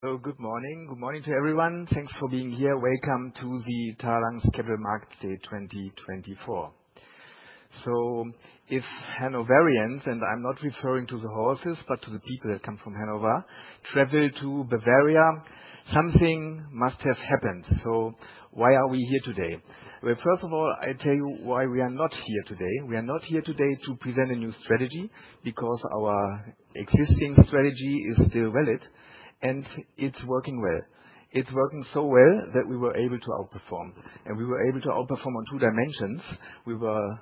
Good morning. Good morning to everyone. Thanks for being here. Welcome to the Talanx Capital Market Day 2024. If Hanoverians, and I'm not referring to the horses, but to the people that come from Hanover, travel to Bavaria, something must have happened. Why are we here today? First of all, I'll tell you why we are not here today. We are not here today to present a new strategy, because our existing strategy is still valid, and it's working well. It's working so well that we were able to outperform. We were able to outperform on two dimensions. We were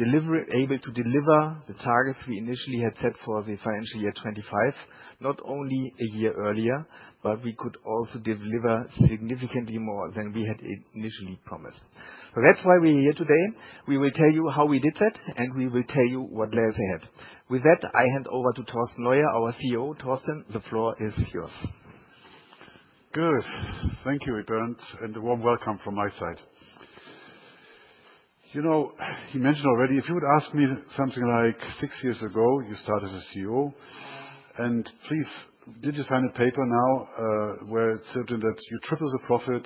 able to deliver the targets we initially had set for the financial year 2025, not only a year earlier, but we could also deliver significantly more than we had initially promised. That's why we're here today. We will tell you how we did that, and we will tell you what lies ahead. With that, I hand over to Torsten Leue, our CEO. Torsten, the floor is yours. Good. Thank you, Bernd, and a warm welcome from my side. You know, you mentioned already, if you would ask me something like six years ago, you started as CEO, and please, did you sign a paper now where it's written that you triple the profit,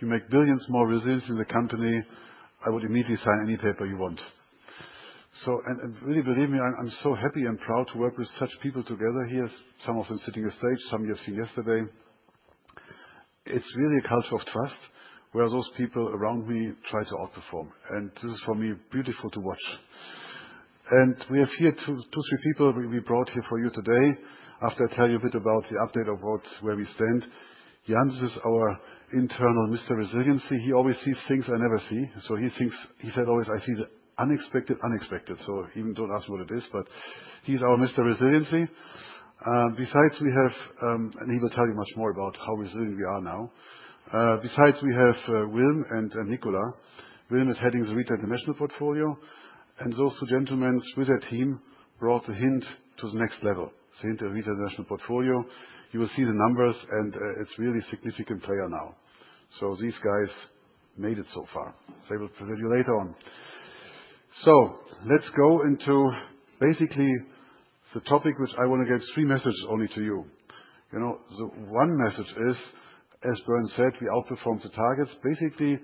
you make billions more revenues in the company? I would immediately sign any paper you want. So, and really believe me, I'm so happy and proud to work with such people together here. Some of them sitting on the stage, some you've seen yesterday. It's really a culture of trust where those people around me try to outperform. And this is, for me, beautiful to watch. And we have here two, three people we brought here for you today. After I tell you a bit about the update of where we stand, Jan, this is our internal Mr. Resiliency. He always sees things I never see. So, he thinks, he said always, "I see the unexpected, unexpected." So, even don't ask me what it is, but he's our Mr. Resiliency. Besides, we have, and he will tell you much more about how resilient we are now. Besides, we have Wilm and Nicolas. Wilm is heading the Retail International portfolio. And those two gentlemen with their team brought the HDI Int to the next level, the HDI Int of the Retail International portfolio. You will see the numbers, and it's really a significant player now. So, these guys made it so far. So, I will present you later on. So, let's go into basically the topic, which I want to get three messages only to you. You know, the one message is, as Bernd said, we outperformed the targets, basically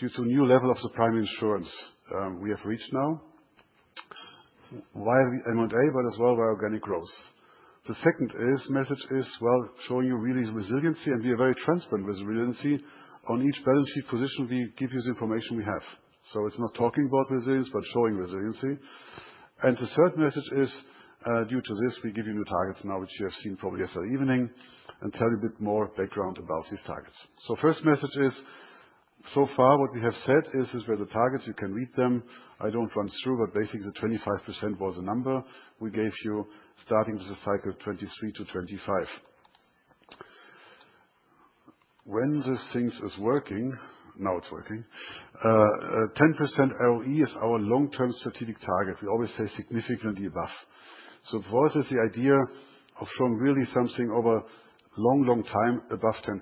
due to a new level of the primary insurance we have reached now, via M&A, but as well via organic growth. The second message is, well, showing you really resiliency, and we are very transparent with resiliency. On each balance sheet position, we give you the information we have. So, it's not talking about resilience, but showing resiliency. The third message is, due to this, we give you new targets now, which you have seen probably yesterday evening, and tell you a bit more background about these targets. First message is, so far what we have said is, these were the targets, you can read them. I don't run through, but basically the 25% was a number we gave you starting with the cycle 2023-2025. When this thing is working, now it's working. 10% ROE is our long-term strategic target. We always say significantly above. For us, it's the idea of showing really something over a long, long time above 10%,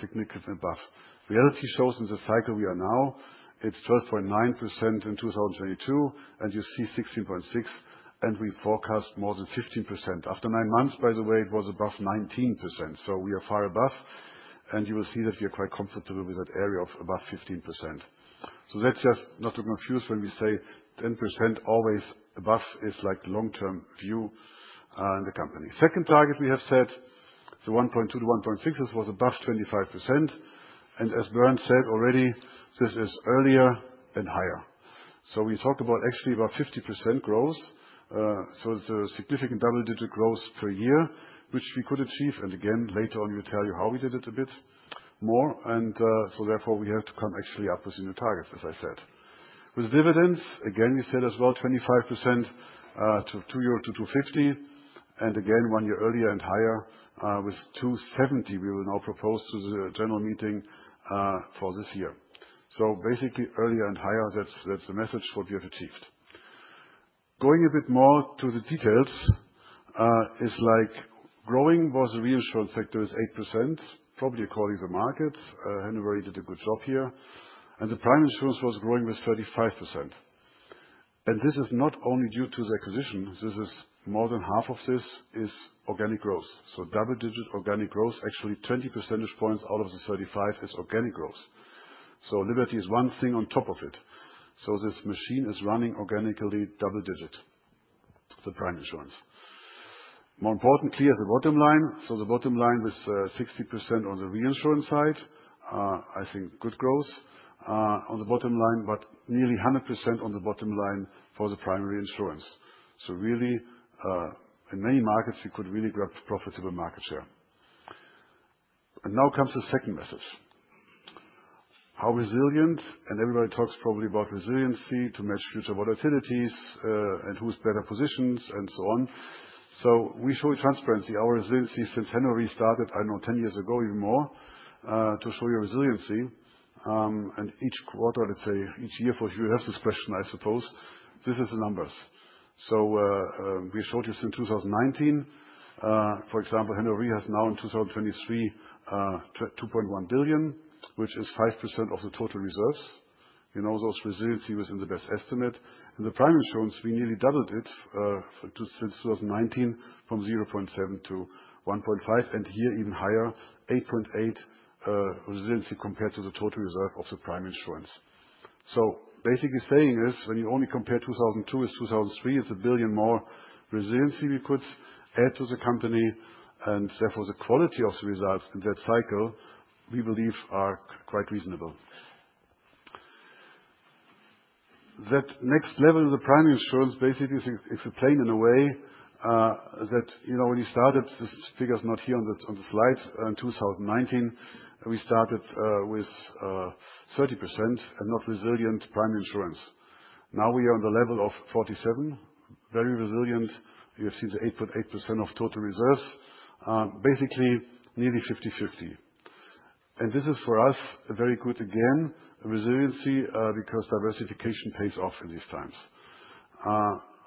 significantly above. Reality shows in the cycle we are now. It's 12.9% in 2022, and you see 16.6%, and we forecast more than 15%. After nine months, by the way, it was above 19%. We are far above, and you will see that we are quite comfortable with that area of above 15%. That's just not to confuse when we say 10% always above is like long-term view in the company. Second target we have set, the 1.2-1.6. This was above 25%. As Bernd said already, this is earlier and higher. We talk about actually about 50% growth. It's a significant double-digit growth per year, which we could achieve. Again, later on, we'll tell you how we did it a bit more. Therefore, we have to come actually up with new targets, as I said. With dividends, again, we said as well, 25% to two-year to 250, and again, one year earlier and higher with 270 we will now propose to the general meeting for this year. Basically earlier and higher, that's the message what we have achieved. Going a bit more to the details, like, the growth in the reinsurance sector is 8%, probably according to the markets. Hannover did a good job here. The primary insurance was growing with 35%. This is not only due to the acquisition. More than 1/2 of this is organic growth. So, double-digit organic growth, actually 20 percentage points out of the 35 percentage points is organic growth. So, Liberty is one thing on top of it. So, this machine is running organically double-digit, the primary insurance. More importantly, as the bottom line, so the bottom line with 60% on the reinsurance side, I think good growth on the bottom line, but nearly 100% on the bottom line for the primary insurance. So, really, in many markets, you could really grab profitable market share. And now comes the second message. How resilient, and everybody talks probably about resiliency to match future volatilities and who's better positioned and so on. So, we show you transparency. Our resiliency since Hannover started, I don't know, 10 years ago even more, to show you resiliency. And each quarter, let's say, each year you have this question, I suppose. This is the numbers. We showed you since 2019, for example, Hannover has now in 2023, 2.1 billion, which is 5% of the total reserves. You know, those resiliency was in the best estimate. And the primary insurance, we nearly doubled it since 2019 from 0.7 billion-1.5 billion, and here even higher, 8.8 resiliency compared to the total reserve of the primary insurance. So, basically saying is, when you only compare 2022 with 2023, it's 1 billion more resiliency we could add to the company. And therefore, the quality of the results in that cycle, we believe, are quite reasonable. That next level of the primary insurance basically is explained in a way that, you know, when you started, this figure's not here on the slide, in 2019, we started with 30% and not resilient primary insurance. Now we are on the level of 47, very resilient. You have seen the 8.8% of total reserves, basically nearly 50/50. This is for us a very good, again, resiliency, because diversification pays off in these times.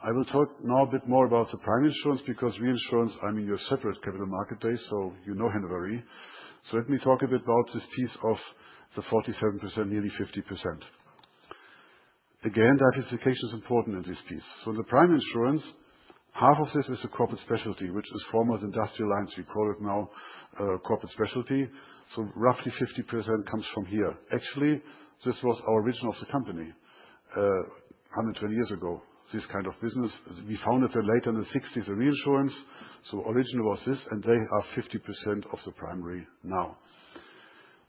I will talk now a bit more about the primary insurance, because reinsurance, I mean, you have separate capital market days, so you know Hannover Re. Let me talk a bit about this piece of the 47%, nearly 50%. Again, diversification is important in this piece. In the primary insurance, half of this is Corporate & Specialty, which is former industrial lines. We call it now Corporate & Specialty. Roughly 50% comes from here. Actually, this was our original of the company 120 years ago, this kind of business. We founded it later in the 1960s, the reinsurance. Original was this, and they are 50% of the primary now.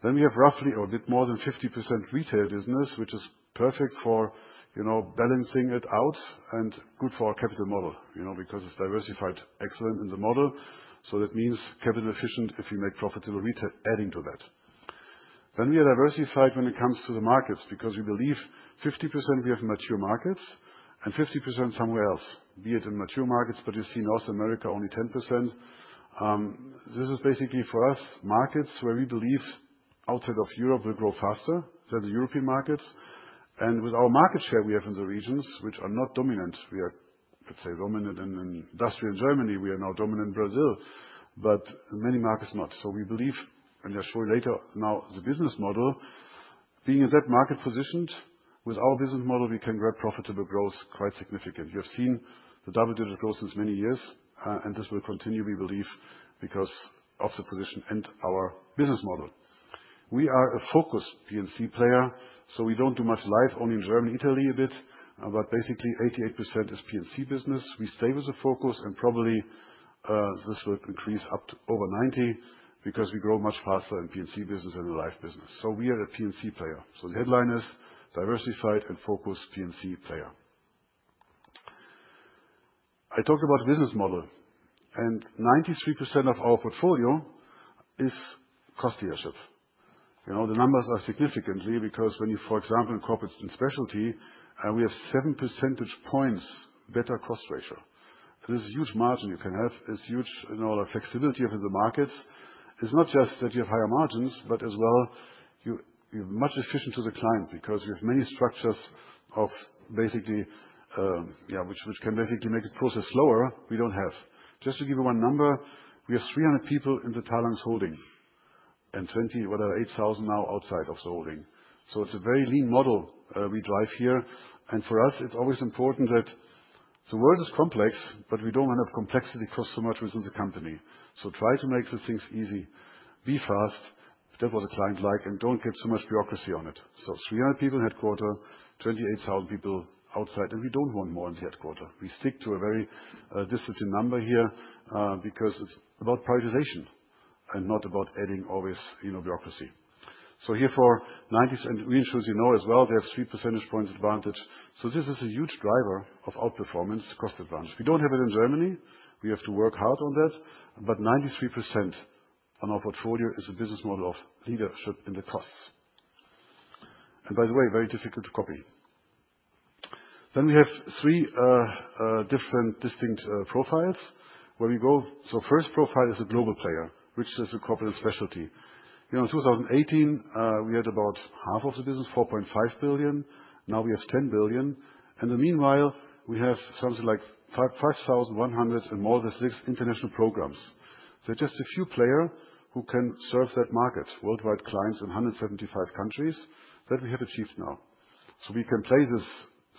Then we have roughly a bit more than 50% retail business, which is perfect for, you know, balancing it out and good for our capital model, you know, because it's diversified, excellent in the model. So, that means capital efficient if we make profitable retail, adding to that. Then we are diversified when it comes to the markets, because we believe 50% we have mature markets and 50% somewhere else, be it in mature markets, but you see North America only 10%. This is basically for us markets where we believe outside of Europe will grow faster than the European markets. And with our market share we have in the regions, which are not dominant. We are, let's say, dominant in industrial Germany. We are now dominant in Brazil, but many markets not. So, we believe, and I'll show you later now the business model. Being in that market position, with our business model, we can grab profitable growth quite significant. You have seen the double-digit growth since many years, and this will continue, we believe, because of the position and our business model. We are a focused P&C player, so we don't do much life, only in Germany, Italy a bit, but basically 88% is P&C business. We stay with the focus, and probably this will increase up to over 90%, because we grow much faster in P&C business than in life business. So, we are a P&C player. So, the headline is diversified and focused P&C player. I talked about business model, and 93% of our portfolio is cost leadership. You know, the numbers are significantly, because when you, for example, incorporate in specialty, we have 7 percentage points better cost ratio. So, this is a huge margin you can have. It's huge in all our flexibility of the markets. It's not just that you have higher margins, but as well, you're much efficient to the client, because we have many structures of basically, yeah, which can basically make the process slower. We don't have. Just to give you one number, we have 300 people in the Talanx Holding and 20 people, whatever, 8,000 people now outside of the holding. So, it's a very lean model we drive here. For us, it's always important that the world is complex, but we don't want to have complexity cost so much within the company. Try to make the things easy, be fast, that's what the client likes, and don't get too much bureaucracy on it. So, 300 people in headquarters, 28,000 people outside, and we don't want more in the headquarters. We stick to a very disciplined number here, because it's about prioritization and not about adding always, you know, bureaucracy. So, here for 90% reinsurance, you know as well, they have 3 percentage points advantage. So, this is a huge driver of outperformance, cost advantage. We don't have it in Germany. We have to work hard on that. But 93% on our portfolio is a business model of leadership in the costs. And by the way, very difficult to copy. Then we have three different distinct profiles where we go. So, first profile is a global player, which is a Corporate & Specialty. You know, in 2018, we had about half of the business, 4.5 billion. Now we have 10 billion. And meanwhile, we have something like 5,100 and more than six international programs. So, just a few players who can serve that market, worldwide clients in 175 countries that we have achieved now. We can play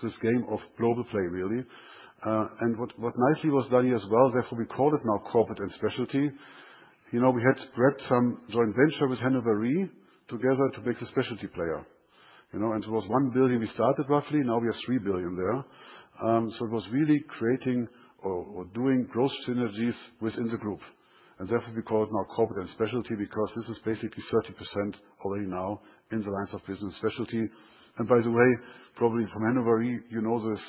this game of global play really. And what nicely was done here as well, therefore we call it now Corporate & Specialty. You know, we had grabbed some joint venture with Hannover Re together to make the specialty player. You know, and it was 1 billion we started roughly. Now we have 3 billion there. So, it was really creating or doing growth synergies within the group. And therefore we call it now Corporate & Specialty, because this is basically 30% already now in the lines of business specialty. And by the way, probably from Hannover Re, you know this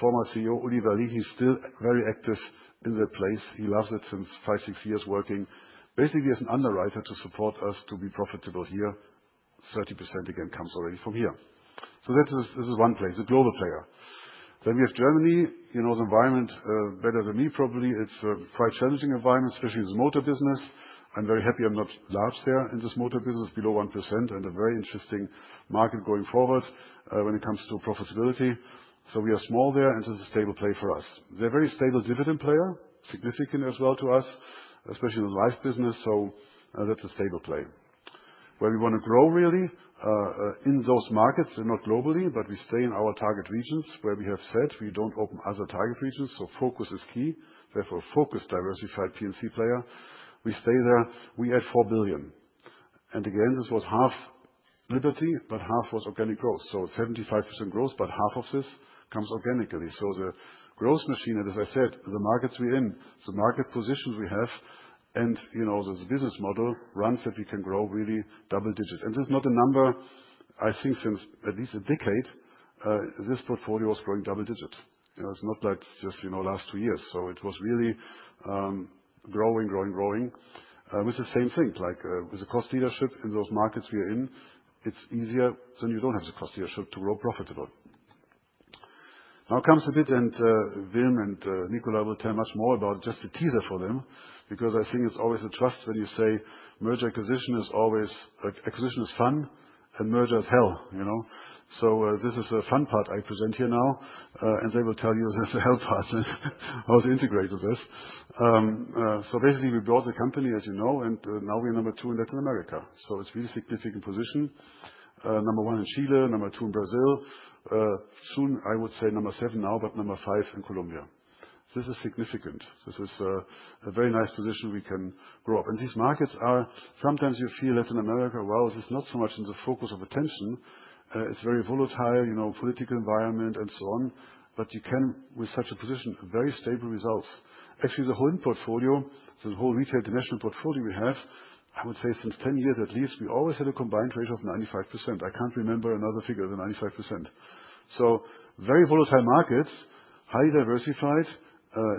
former CEO, Ulrich Wallin, he's still very active in that place. He loves it since five, six years working. Basically, as an underwriter to support us to be profitable here, 30% again comes already from here. So, this is one place, a global player. Then we have Germany. You know the environment better than me, probably. It's a quite challenging environment, especially in the motor business. I'm very happy I'm not large there in this motor business, below 1%, and a very interesting market going forward when it comes to profitability. So, we are small there, and this is a stable play for us. They're a very stable dividend player, significant as well to us, especially in the life business. So, that's a stable play. Where we want to grow really in those markets, and not globally, but we stay in our target regions where we have said we don't open other target regions. So, focus is key. Therefore, focus diversified P&C player. We stay there. We add 4 billion. And again, this was half Liberty, but 1/2 was organic growth. So, 75% growth, but 1/2 of this comes organically. So, the growth machine, and as I said, the markets we're in, the market positions we have, and you know, the business model runs that we can grow really double-digits. And this is not a number, I think, since at least a decade, this portfolio is growing double-digits. You know, it's not like just, you know, last two years. So, it was really growing, growing, growing. With the same thing, like with the cost leadership in those markets we are in, it's easier than you don't have the cost leadership to grow profitable. Now comes a bit, and Wilm and Nicolas will tell much more about just the teaser for them, because I think it's always the truth when you say merger acquisition is always acquisition is fun and merger is hell, you know. So, this is a fun part I present here now, and they will tell you there's a hell part how to integrate with this. So, basically, we bought the company, as you know, and now we are number two in Latin America. So, it's a really significant position. Number one in Chile, number two in Brazil. Soon, I would say number seven now, but number five in Colombia. This is significant. This is a very nice position we can grow up. These markets are sometimes you feel Latin America, wow, this is not so much in the focus of attention. It's very volatile, you know, political environment and so on. But you can, with such a position, very stable results. Actually, the whole portfolio, the whole Retail International portfolio we have, I would say since 10 years at least, we always had a combined ratio of 95%. I can't remember another figure than 95%. So, very volatile markets, highly diversified.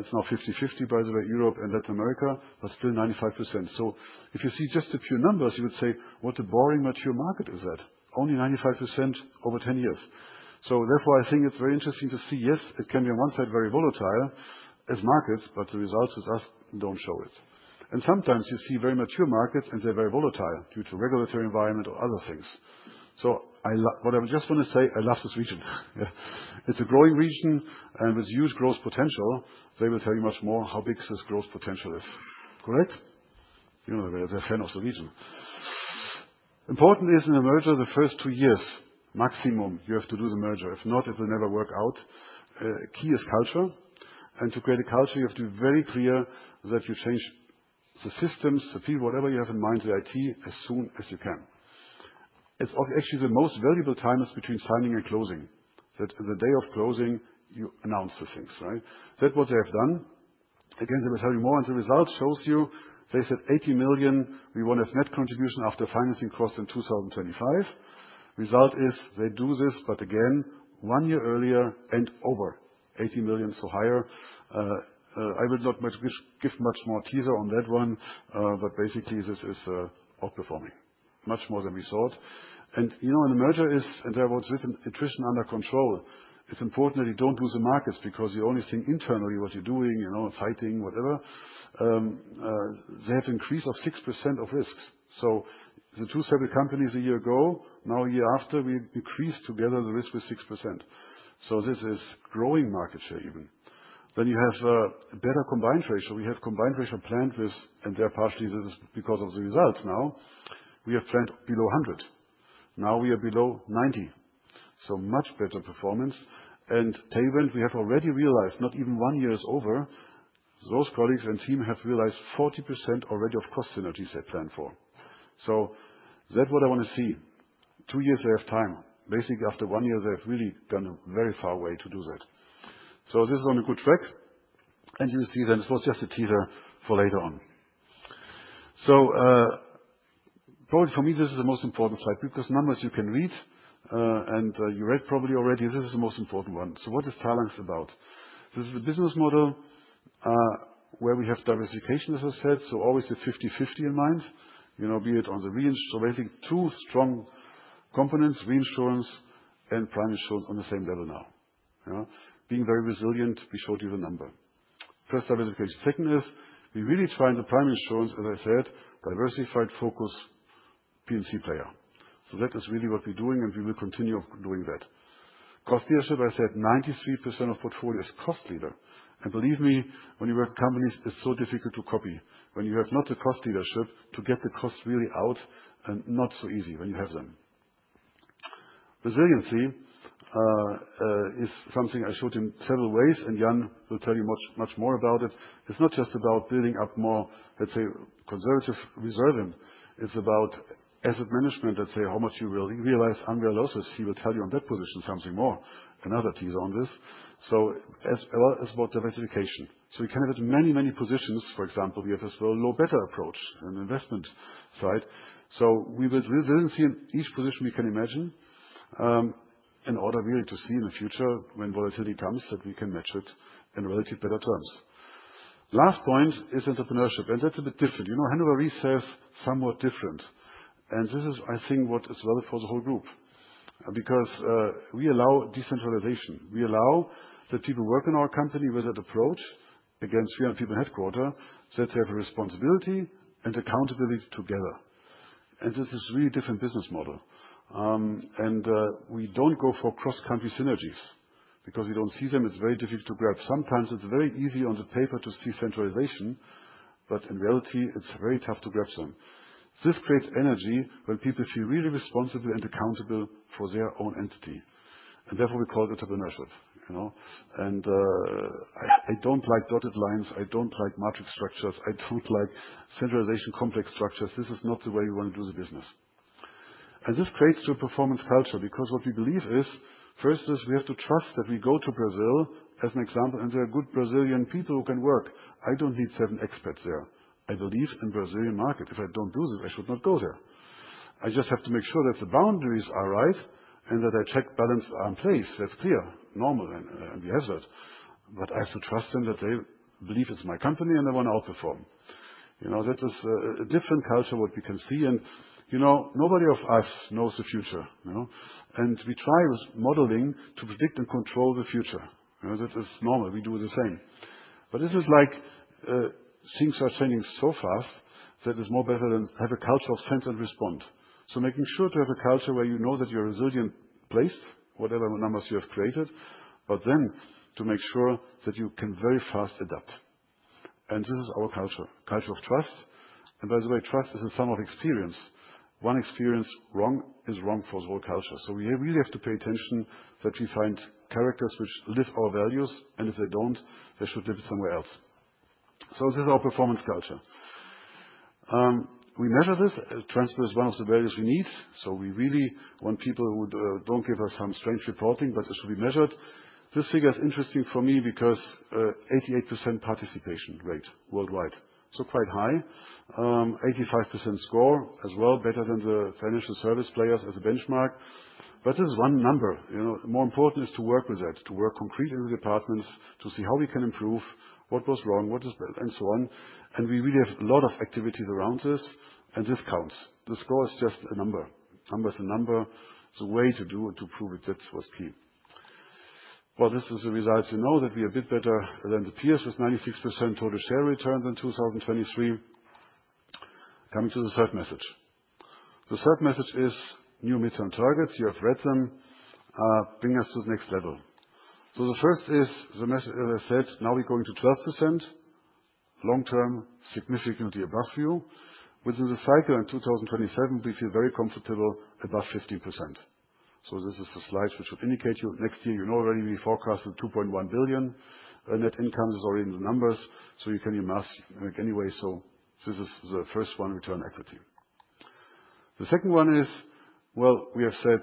It's now 50/50, by the way, Europe and Latin America, but still 95%. So, if you see just a few numbers, you would say, what a boring, mature market is that? Only 95% over 10 years. So, therefore, I think it's very interesting to see, yes, it can be on one side very volatile as markets, but the results with us don't show it. And sometimes you see very mature markets and they're very volatile due to regulatory environment or other things. So, what I just want to say, I love this region. It's a growing region and with huge growth potential. They will tell you much more how big this growth potential is. Correct? You know, they're a fan of the region. Important is in the merger, the first two years, maximum, you have to do the merger. If not, it will never work out. Key is culture. And to create a culture, you have to be very clear that you change the systems, the people, whatever you have in mind, the IT, as soon as you can. It's actually the most valuable time is between signing and closing, that the day of closing, you announce the things, right? That's what they have done. Again, they will tell you more, and the result shows you, they said 80 million, we want to have net contribution after financing cost in 2025. Result is they do this, but again, one year earlier and over 80 million, so higher. I will not give much more teaser on that one, but basically this is outperforming much more than we thought. And you know, in the merger is, and there was written attrition under control. It's important that you don't lose the markets, because you only think internally what you're doing, you know, fighting, whatever. They have increased of 6% of risks. So, the two separate companies a year ago, now a year after, we increased together the risk with 6%. So, this is growing market share even. Then you have a better combined ratio. We have combined ratio planned with, and they're partially, this is because of the results now, we have planned below 100%. Now we are below 90%. So, much better performance. Talanx, we have already realized, not even one year is over, those colleagues and team have realized 40% already of cost synergies they planned for. So, that's what I want to see. Two years, they have time. Basically, after one year, they have really gone a very far way to do that. So, this is on a good track. And you will see then this was just a teaser for later on. So, probably for me, this is the most important slide, because numbers you can read, and you read probably already, this is the most important one. So, what is Talanx about? This is a business model where we have diversification, as I said, so always the 50/50 in mind, you know, be it on the reinsurance. So, basically two strong components, reinsurance and primary insurance on the same level now. Being very resilient, we showed you the number. First diversification. Second is we really try in the primary insurance, as I said, diversified focus P&C player. So, that is really what we're doing, and we will continue doing that. Cost leadership, I said, 93% of portfolio is cost leader. And believe me, when you work with companies, it's so difficult to copy. When you have not the cost leadership to get the cost really out, not so easy when you have them. Resiliency is something I showed in several ways, and Jan will tell you much more about it. It's not just about building up more, let's say, conservative reserving. It's about asset management, let's say, how much you will realize unrealized losses. He will tell you on that position something more, another teaser on this. So, as well as about diversification. So, we can have many, many positions. For example, we have as well a low beta approach and investment side. So, we build resiliency in each position we can imagine in order really to see in the future when volatility comes that we can match it in relative better terms. Last point is entrepreneurship, and that's a bit different. You know, Hannover Re says somewhat different, and this is, I think, what is relevant for the whole group, because we allow decentralization. We allow that people work in our company with that approach against 300 people in headquarters, that they have a responsibility and accountability together, and this is a really different business model, and we don't go for cross-country synergies, because we don't see them. It's very difficult to grab. Sometimes it's very easy on paper to see centralization, but in reality, it's very tough to grab them. This creates energy when people feel really responsible and accountable for their own entity, and therefore we call it entrepreneurship, you know, and I don't like dotted lines. I don't like matrix structures. I don't like centralized complex structures. This is not the way we want to do the business, and this creates a performance culture, because what we believe is, first we have to trust that we go to Brazil as an example, and there are good Brazilian people who can work. I don't need seven experts there. I believe in the Brazilian market. If I don't do this, I should not go there. I just have to make sure that the boundaries are right and that checks and balances are in place. That's clear, normal, and we have that. But I have to trust them that they believe it's my company and they want to outperform. You know, that is a different culture what we can see. And you know, nobody of us knows the future, you know. And we try with modeling to predict and control the future. That is normal. We do the same. But this is like things are changing so fast that it's more better than have a culture of sense and respond. So, making sure to have a culture where you know that you're a resilient place, whatever numbers you have created, but then to make sure that you can very fast adapt. And this is our culture, culture of trust. And by the way, trust is a sum of experience. One experience wrong is wrong for the whole culture. So, we really have to pay attention that we find characters which live our values, and if they don't, they should live somewhere else. So, this is our performance culture. We measure this. Transparency is one of the values we need, so we really want people who don't give us some strange reporting, but it should be measured. This figure is interesting for me because 88% participation rate worldwide, so quite high, 85% score as well, better than the financial services players as a benchmark, but this is one number, you know. More important is to work with that, to work concretely in the departments to see how we can improve, what was wrong, what is better, and so on, and we really have a lot of activities around this, and this counts. The score is just a number. Number is a number. The way to do it, to prove it, that's what's key, well, this is the results. You know that we are a bit better than the peers with 96% total shareholder returns in 2023. Coming to the third message. The third message is new midterm targets. You have read them. Bring us to the next level. The first is the message, as I said. Now we're going to 12% long term, significantly above you. Within the cycle in 2027, we feel very comfortable above 15%. This is the slides which will indicate you. Next year, you know already we forecasted 2.1 billion. Net income is already in the numbers, so you can imagine anyway. This is the first one, return on equity. The second one is, well, we have said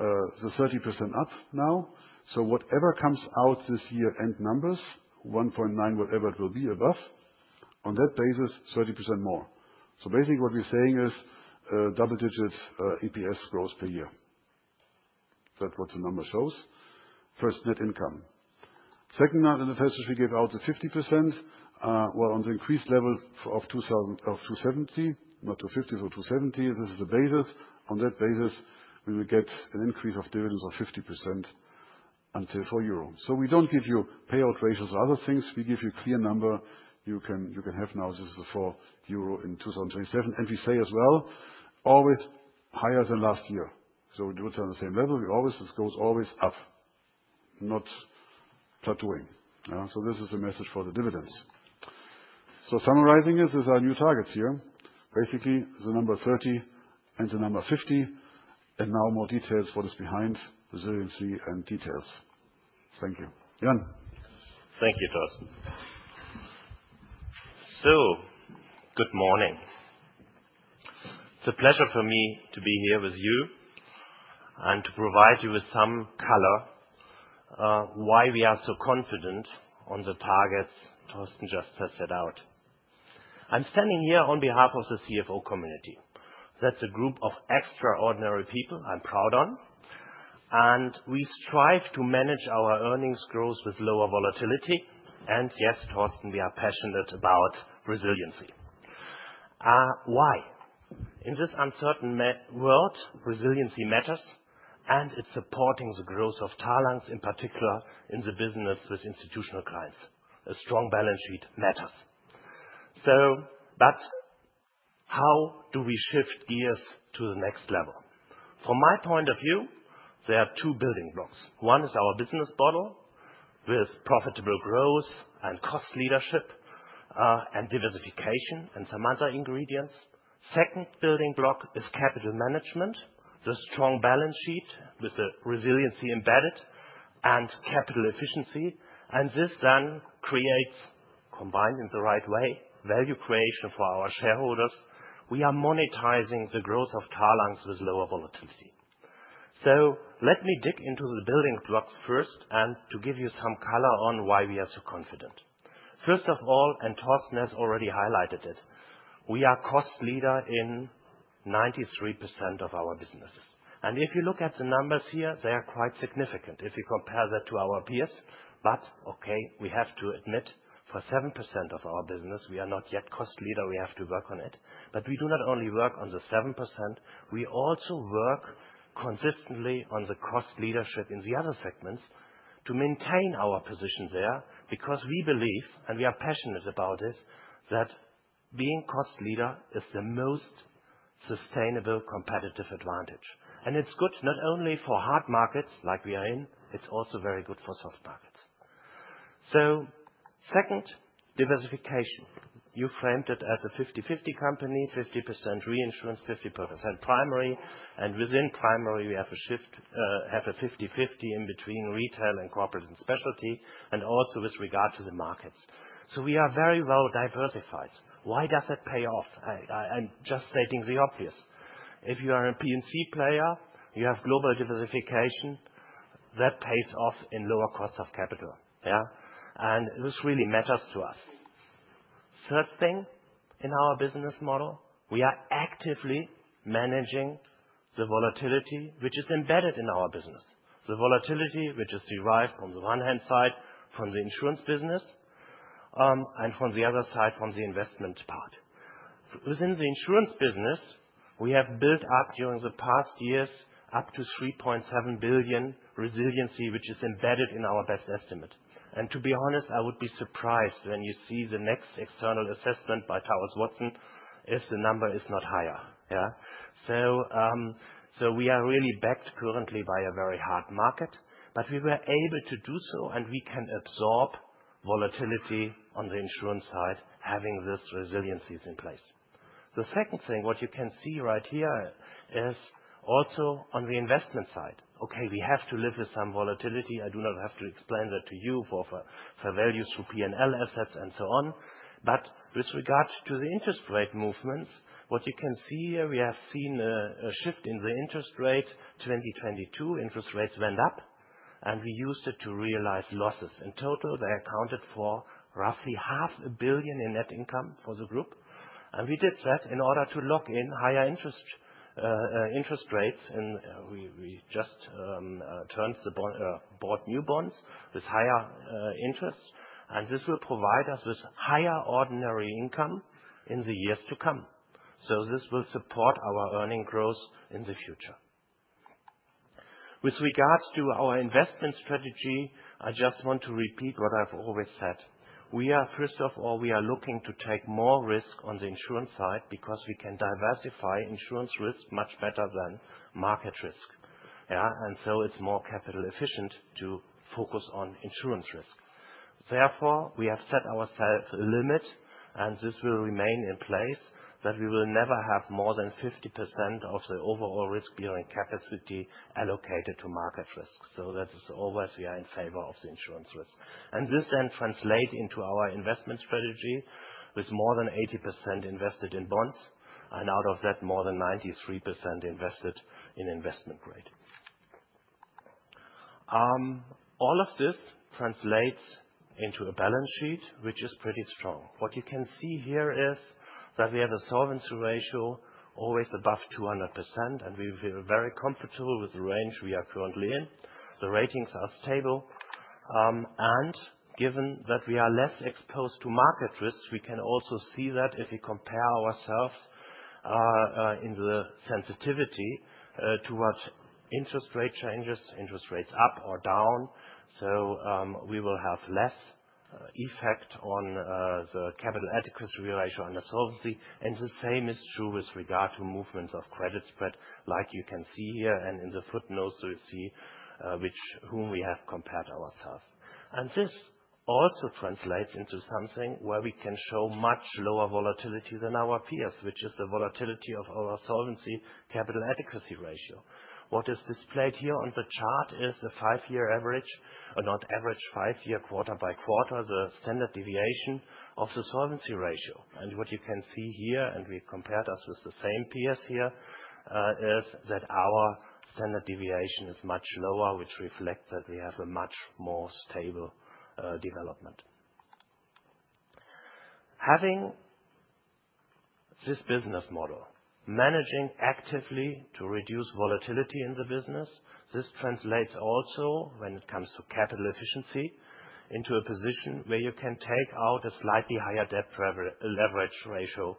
the 30% up now. Whatever comes out this year-end numbers, 1.9, whatever it will be above, on that basis, 30% more. Basically what we're saying is double-digits EPS growth per year. That's what the number shows. First, net income. Second, in the message we gave out, the 50%, well, on the increased level of 270 basis points, not 250 basis points, so 270 basis points, this is the basis. On that basis, we will get an increase of dividends of 50% to 4 euro. So, we don't give you payout ratios or other things. We give you a clear number you can have now. This is 4 euro in 2027. And we say as well, always higher than last year. So, we do it on the same level. We always, this goes always up, not plateauing. So, this is the message for the dividends. So, summarizing it, these are new targets here. Basically, the number 30 and the number 50, and now more details for this behind resiliency and details. Thank you, Jan. Thank you, Torsten. So, good morning. It's a pleasure for me to be here with you and to provide you with some color why we are so confident on the targets Torsten just has set out. I'm standing here on behalf of the CFO community. That's a group of extraordinary people I'm proud of, and we strive to manage our earnings growth with lower volatility, and yes, Torsten, we are passionate about resiliency. Why? In this uncertain world, resiliency matters, and it's supporting the growth of Talanx in particular in the business with institutional clients. A strong balance sheet matters. So, but how do we shift gears to the next level? From my point of view, there are two building blocks. One is our business model with profitable growth and cost leadership and diversification and some other ingredients. Second building block is capital management, the strong balance sheet with the resiliency embedded and capital efficiency. This then creates, combined in the right way, value creation for our shareholders. We are monetizing the growth of Talanx with lower volatility. Let me dig into the building blocks first and to give you some color on why we are so confident. First of all, and Torsten has already highlighted it, we are cost leader in 93% of our businesses. If you look at the numbers here, they are quite significant if you compare that to our peers. Okay, we have to admit for 7% of our business, we are not yet cost leader. We have to work on it. We do not only work on the 7%. We also work consistently on the cost leadership in the other segments to maintain our position there, because we believe, and we are passionate about this, that being cost leader is the most sustainable competitive advantage. And it's good not only for hard markets like we are in. It's also very good for soft markets. So, second, diversification. You framed it as a 50/50 company, 50% reinsurance, 50% primary. And within primary, we have a shift, a 50/50 in between retail and Corporate & Specialty, and also with regard to the markets. So, we are very well diversified. Why does it pay off? I'm just stating the obvious. If you are a P&C player, you have global diversification that pays off in lower cost of capital, yeah? And this really matters to us. Third thing in our business model, we are actively managing the volatility, which is embedded in our business. The volatility, which is derived on the one hand side from the insurance business and from the other side from the investment part. Within the insurance business, we have built up during the past years up to 3.7 billion resiliency, which is embedded in our best estimate. And to be honest, I would be surprised when you see the next external assessment by Willis Towers Watson if the number is not higher, yeah? So, we are really backed currently by a very hard market, but we were able to do so, and we can absorb volatility on the insurance side having these resiliencies in place. The second thing what you can see right here is also on the investment side. Okay, we have to live with some volatility. I do not have to explain that to you for values through P&L assets and so on. But with regard to the interest rate movements, what you can see here, we have seen a shift in the interest rate. 2022, interest rates went up, and we used it to realize losses. In total, they accounted for roughly 500 million in net income for the group. We did that in order to lock in higher interest rates. We just turned over new bonds with higher interests, and this will provide us with higher ordinary income in the years to come. This will support our earnings growth in the future. With regards to our investment strategy, I just want to repeat what I've always said. We are, first of all, looking to take more risk on the insurance side because we can diversify insurance risk much better than market risk, yeah? So, it's more capital efficient to focus on insurance risk. Therefore, we have set ourselves a limit, and this will remain in place that we will never have more than 50% of the overall risk bearing capacity allocated to market risk. So, that is always we are in favor of the insurance risk. And this then translates into our investment strategy with more than 80% invested in bonds and out of that, more than 93% invested in investment grade. All of this translates into a balance sheet, which is pretty strong. What you can see here is that we have a solvency ratio always above 200%, and we feel very comfortable with the range we are currently in. The ratings are stable. And given that we are less exposed to market risks, we can also see that if we compare ourselves in the sensitivity to what interest rate changes, interest rates up or down. We will have less effect on the capital adequacy ratio and the solvency. The same is true with regard to movements of credit spread, like you can see here and in the footnotes you see with whom we have compared ourselves. This also translates into something where we can show much lower volatility than our peers, which is the volatility of our solvency capital adequacy ratio. What is displayed here on the chart is the five-year average, or not average, five-year quarter-by-quarter, the standard deviation of the solvency ratio. What you can see here, and we compare ourselves with the same peers here, is that our standard deviation is much lower, which reflects that we have a much more stable development. Having this business model, managing actively to reduce volatility in the business, this translates also when it comes to capital efficiency into a position where you can take out a slightly higher debt leverage ratio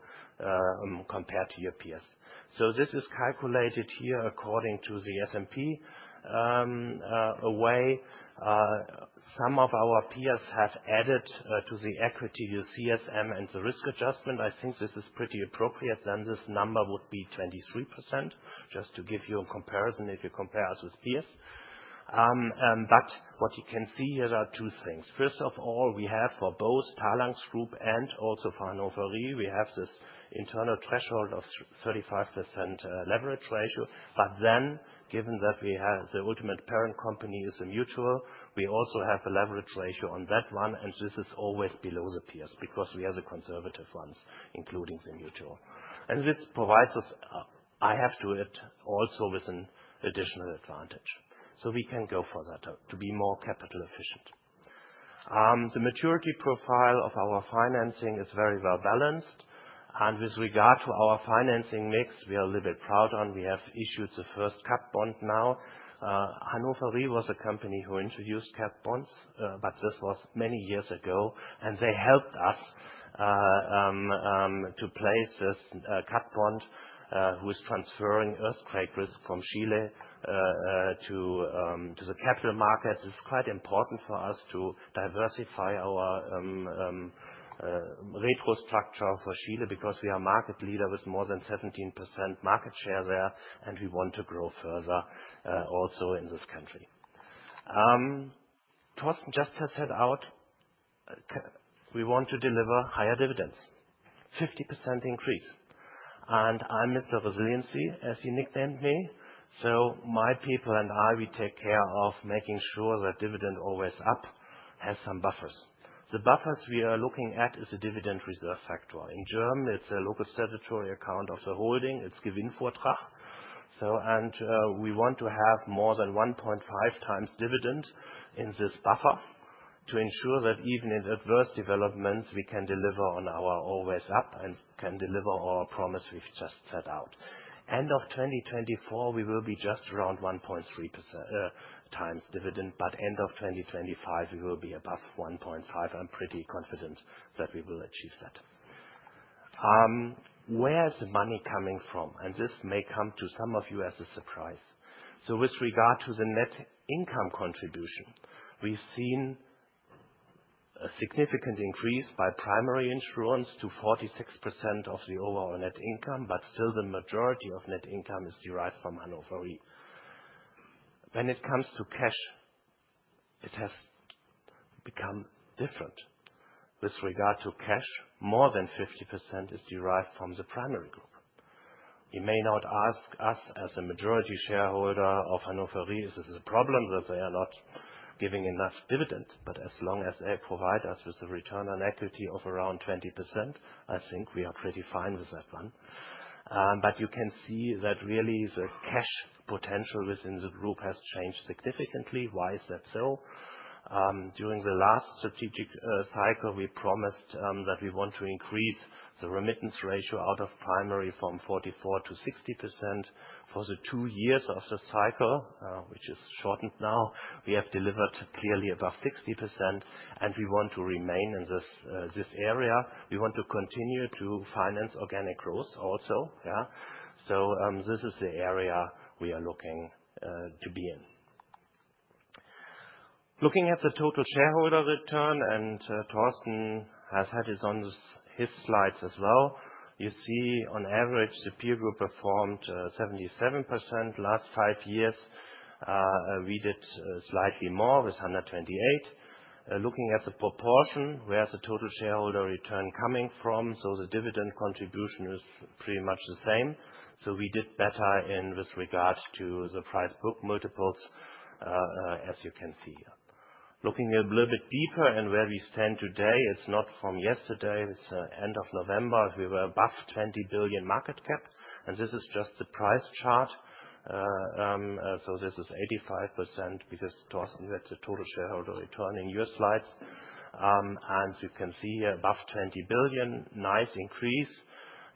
compared to your peers. So, this is calculated here according to the S&P way. Some of our peers have added to the equity the CSM and the risk adjustment. I think this is pretty appropriate. Then this number would be 23%, just to give you a comparison if you compare us with peers. But what you can see here are two things. First of all, we have for both Talanx Group and also for Hannover Re, we have this internal threshold of 35% leverage ratio. But then, given that we have the ultimate parent company is a mutual, we also have a leverage ratio on that one, and this is always below the peers because we are the conservative ones, including the mutual. And this provides us, I have to add also with an additional advantage. So, we can go for that to be more capital efficient. The maturity profile of our financing is very well balanced. And with regard to our financing mix, we are a little bit proud on. We have issued the first Cat Bond now. Hannover Re was a company who introduced Cat Bonds, but this was many years ago, and they helped us to place this Cat Bond who is transferring earthquake risk from Chile to the capital markets. It's quite important for us to diversify our retrocession structure for Chile because we are a market leader with more than 17% market share there, and we want to grow further also in this country. Torsten just set out, we want to deliver higher dividends, 50% increase. And I'm Mr. Resiliency, as you nicknamed me. So, my people and I, we take care of making sure that dividend always up has some buffers. The buffers we are looking at is the Dividend Reserve Factor. In German, it's a local statutory account of the holding. It's Gewinnvortrag. So, and we want to have more than 1.5x dividend in this buffer to ensure that even in adverse developments, we can deliver on our always up and can deliver our promise we've just set out. End of 2024, we will be just around 1.3x dividend, but end of 2025, we will be above 1.5x. I'm pretty confident that we will achieve that. Where is the money coming from, and this may come to some of you as a surprise, so with regard to the net income contribution, we've seen a significant increase by primary insurance to 46% of the overall net income, but still the majority of net income is derived from Hannover Re. When it comes to cash, it has become different. With regard to cash, more than 50% is derived from the primary group. You may not ask us as a majority shareholder of Hannover Re; is this a problem that they are not giving enough dividends, but as long as they provide us with a return on equity of around 20%, I think we are pretty fine with that one. You can see that really the cash potential within the group has changed significantly. Why is that so? During the last strategic cycle, we promised that we want to increase the remittance ratio out of primary from 44%-60%. For the two years of the cycle, which is shortened now, we have delivered clearly above 60%, and we want to remain in this area. We want to continue to finance organic growth also, yeah? This is the area we are looking to be in. Looking at the total shareholder return, and Torsten has had his slides as well, you see on average the peer group performed 77% last five years. We did slightly more with 128%. Looking at the proportion, where's the total shareholder return coming from? The dividend contribution is pretty much the same. So, we did better with regard to the price book multiples, as you can see here. Looking a little bit deeper and where we stand today, it's not from yesterday. It's the end of November. We were above 20 billion market cap, and this is just the price chart. So, this is 85% because Torsten read the total shareholder return in your slides. And you can see here above 20 billion, nice increase.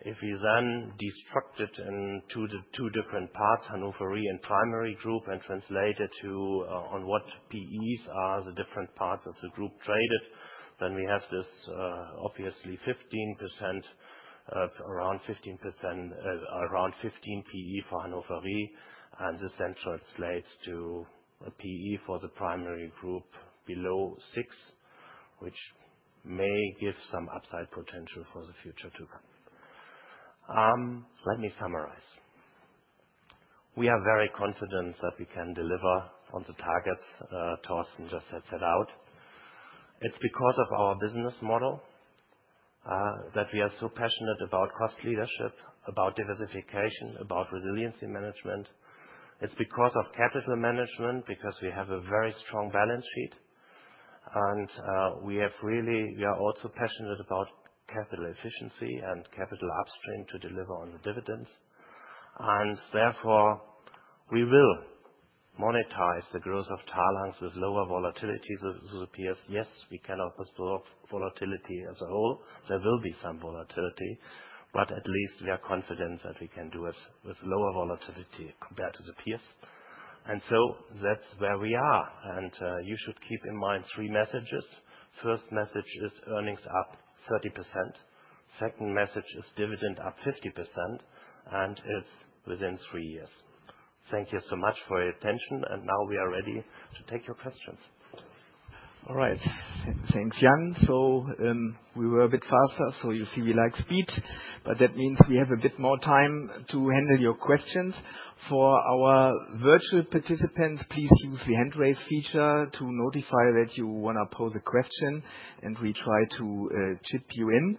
If we then dissected into the two different parts, Hannover Re and primary group, and translated to what PEs are the different parts of the group traded, then we have this obviously 15%, around 15%, around 15 PE for Hannover Re, and this then translates to a PE for the primary group below six, which may give some upside potential for the future to come. Let me summarize. We are very confident that we can deliver on the targets Torsten just had set out. It's because of our business model that we are so passionate about cost leadership, about diversification, about resiliency management. It's because of capital management, because we have a very strong balance sheet. And we have really, we are also passionate about capital efficiency and capital upstream to deliver on the dividends. And therefore, we will monetize the growth of Talanx with lower volatility to the peers. Yes, we can not preserve volatility as a whole. There will be some volatility, but at least we are confident that we can do it with lower volatility compared to the peers. And so, that's where we are. And you should keep in mind three messages. First message is earnings up 30%. Second message is dividend up 50%, and it's within three years. Thank you so much for your attention, and now we are ready to take your questions. All right, thanks, Jan. So, we were a bit faster, so you see we like speed, but that means we have a bit more time to handle your questions. For our virtual participants, please use the hand raise feature to notify that you want to pose a question, and we try to chime you in.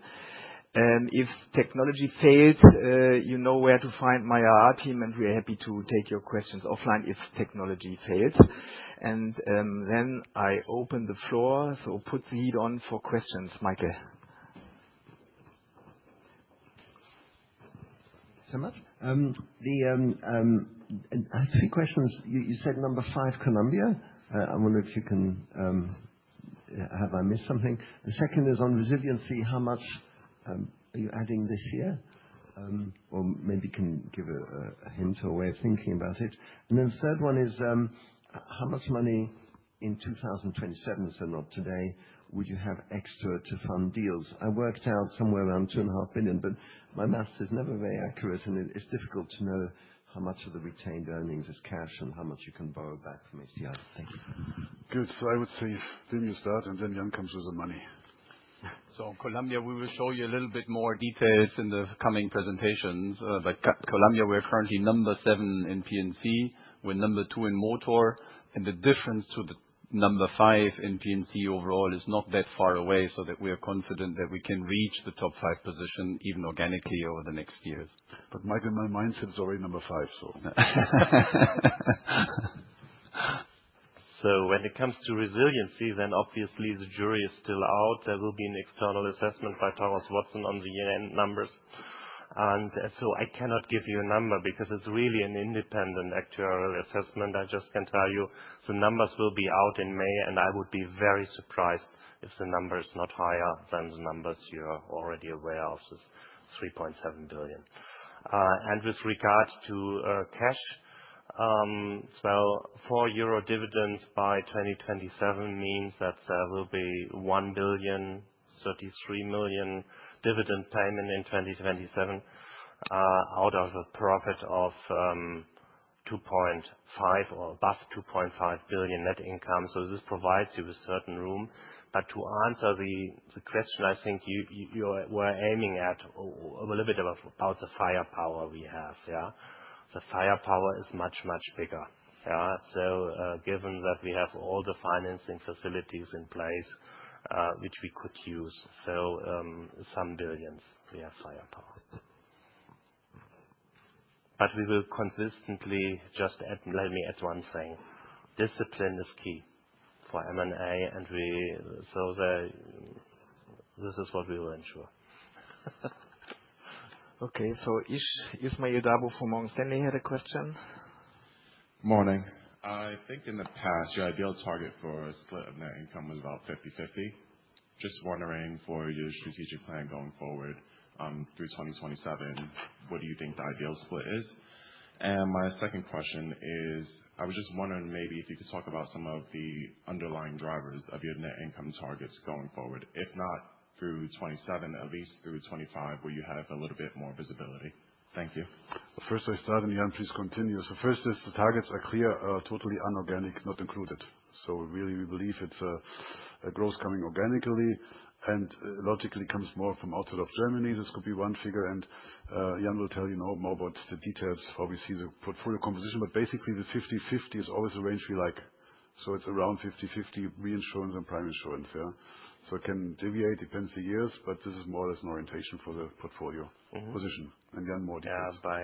If technology fails, you know where to find my IR team, and we are happy to take your questions offline if technology fails, and then I open the floor, so put the heat on for questions, Michael. Thank you so much. The three questions, you said number five, Colombia. I wonder if you can, have I missed something? The second is on resiliency. How much are you adding this year? Or maybe you can give a HDI Int or a way of thinking about it. And then the third one is how much money in 2027, so not today, would you have extra to fund deals? I worked out somewhere around 2.5 billion, but my math is never very accurate, and it's difficult to know how much of the retained earnings is cash and how much you can borrow back from HDI. Thank you. Good. So, I would say, didn't you start, and then Jan comes with the money. So, Colombia, we will show you a little bit more details in the coming presentations. But Colombia, we're currently number seven in P&C. We're number two in Motor, and the difference to the number five in P&C overall is not that far away, so that we are confident that we can reach the top five position even organically over the next years. But Michael, my mindset is already number five, so. So, when it comes to resiliency, then obviously the jury is still out. There will be an external assessment by Willis Towers Watson on the year-end numbers. And so, I cannot give you a number because it's really an independent actuarial assessment. I just can tell you the numbers will be out in May, and I would be very surprised if the number is not higher than the numbers you are already aware of, this 3.7 billion. With regard to cash, well, 4 euro dividends by 2027 means that there will be 1.033 billion dividend payment in 2027 out of a profit of 2.5 billion or above 2.5 billion net income. This provides you with certain room. But to answer the question, I think you were aiming at a little bit about the firepower we have, yeah? The firepower is much, much bigger, yeah? Given that we have all the financing facilities in place which we could use, so some billions, we have firepower. But we will consistently just add, let me add one thing. Discipline is key for M&A, and we so this is what we were unsure. Okay, so Ismael Dabo from Morgan Stanley had a question? Morning. I think in the past, your ideal target for a split of net income was about 50/50. Just wondering for your strategic plan going forward through 2027, what do you think the ideal split is? And my second question is, I was just wondering maybe if you could talk about some of the underlying drivers of your net income targets going forward. If not through 2027, at least through 2025, will you have a little bit more visibility? Thank you. First I start, and Jan, please continue. So, first is the targets are clear, totally inorganic, not included. So, really, we believe it's a growth coming organically, and logically comes more from outside of Germany. This could be one figure, and Jan will tell you more about the details how we see the portfolio composition. But basically, the 50/50 is always a range we like. So, it's around 50/50 reinsurance and primary insurance, yeah? It can deviate, depends on the years, but this is more or less an orientation for the portfolio position. And Jan, more details. Yeah,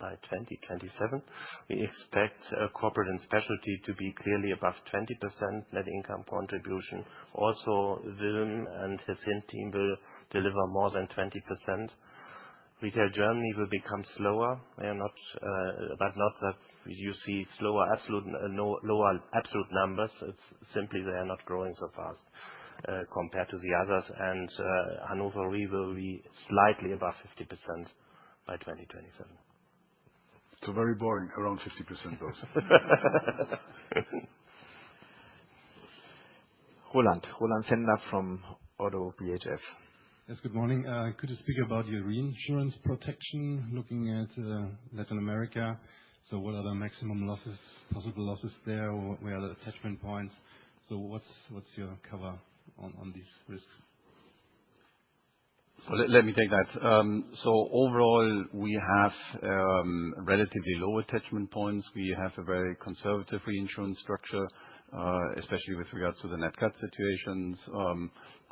by 2027, we expect Corporate & Specialty to be clearly above 20% net income contribution. Also, Wilm and his team will deliver more than 20%. Retail Germany will become slower, but not that you see slower absolute, no lower absolute numbers. It's simply they are not growing so fast compared to the others. And Hannover Re will be slightly above 50% by 2027. So, very boring, around 50% growth. Roland, Roland Pfänder from ODDO BHF. Yes, good morning. Could you speak about your reinsurance protection looking at Latin America? So, what are the maximum losses, possible losses there? Where are the attachment points? So, what's your cover on these risks? So, let me take that. So, overall, we have relatively low attachment points. We have a very conservative reinsurance structure, especially with regards to the net cat situations.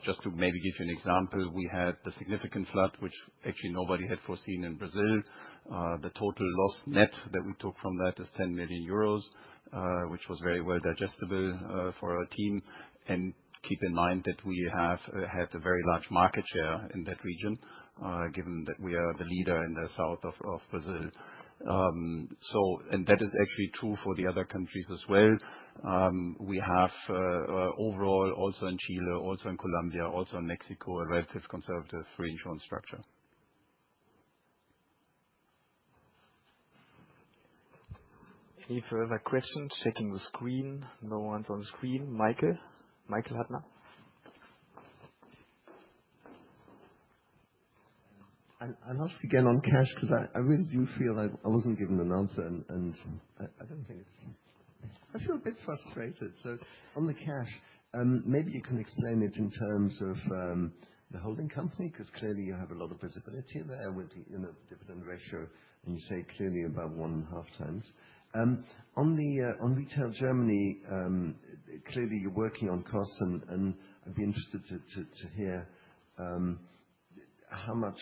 Just to maybe give you an example, we had the significant flood, which actually nobody had foreseen in Brazil. The total net loss that we took from that is 10 million euros, which was very well digestible for our team, and keep in mind that we have had a very large market share in that region, given that we are the leader in the south of Brazil. So, and that is actually true for the other countries as well. We have overall, also in Chile, also in Colombia, also in Mexico, a relatively conservative reinsurance structure. Any further questions? Checking the screen. No one's on screen. Michael? Michael Huttner. I'll ask again on cash because I really do feel I wasn't given an answer, and I don't think it's. I feel a bit frustrated. So, on the cash, maybe you can explain it in terms of the holding company because clearly you have a lot of visibility there with the dividend ratio, and you say clearly above 1.5. On Retail Germany, clearly you're working on costs, and I'd be interested to hear how much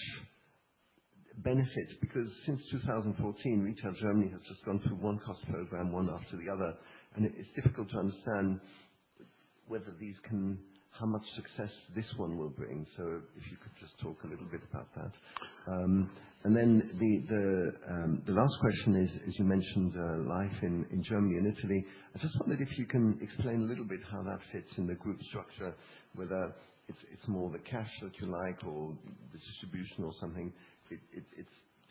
benefit, because since 2014, Retail Germany has just gone through one cost program, one after the other, and it's difficult to understand whether these can, how much success this one will bring. So, if you could just talk a little bit about that. And then the last question is, as you mentioned, life in Germany and Italy. I just wondered if you can explain a little bit how that fits in the group structure, whether it's more the cash that you like or the distribution or something.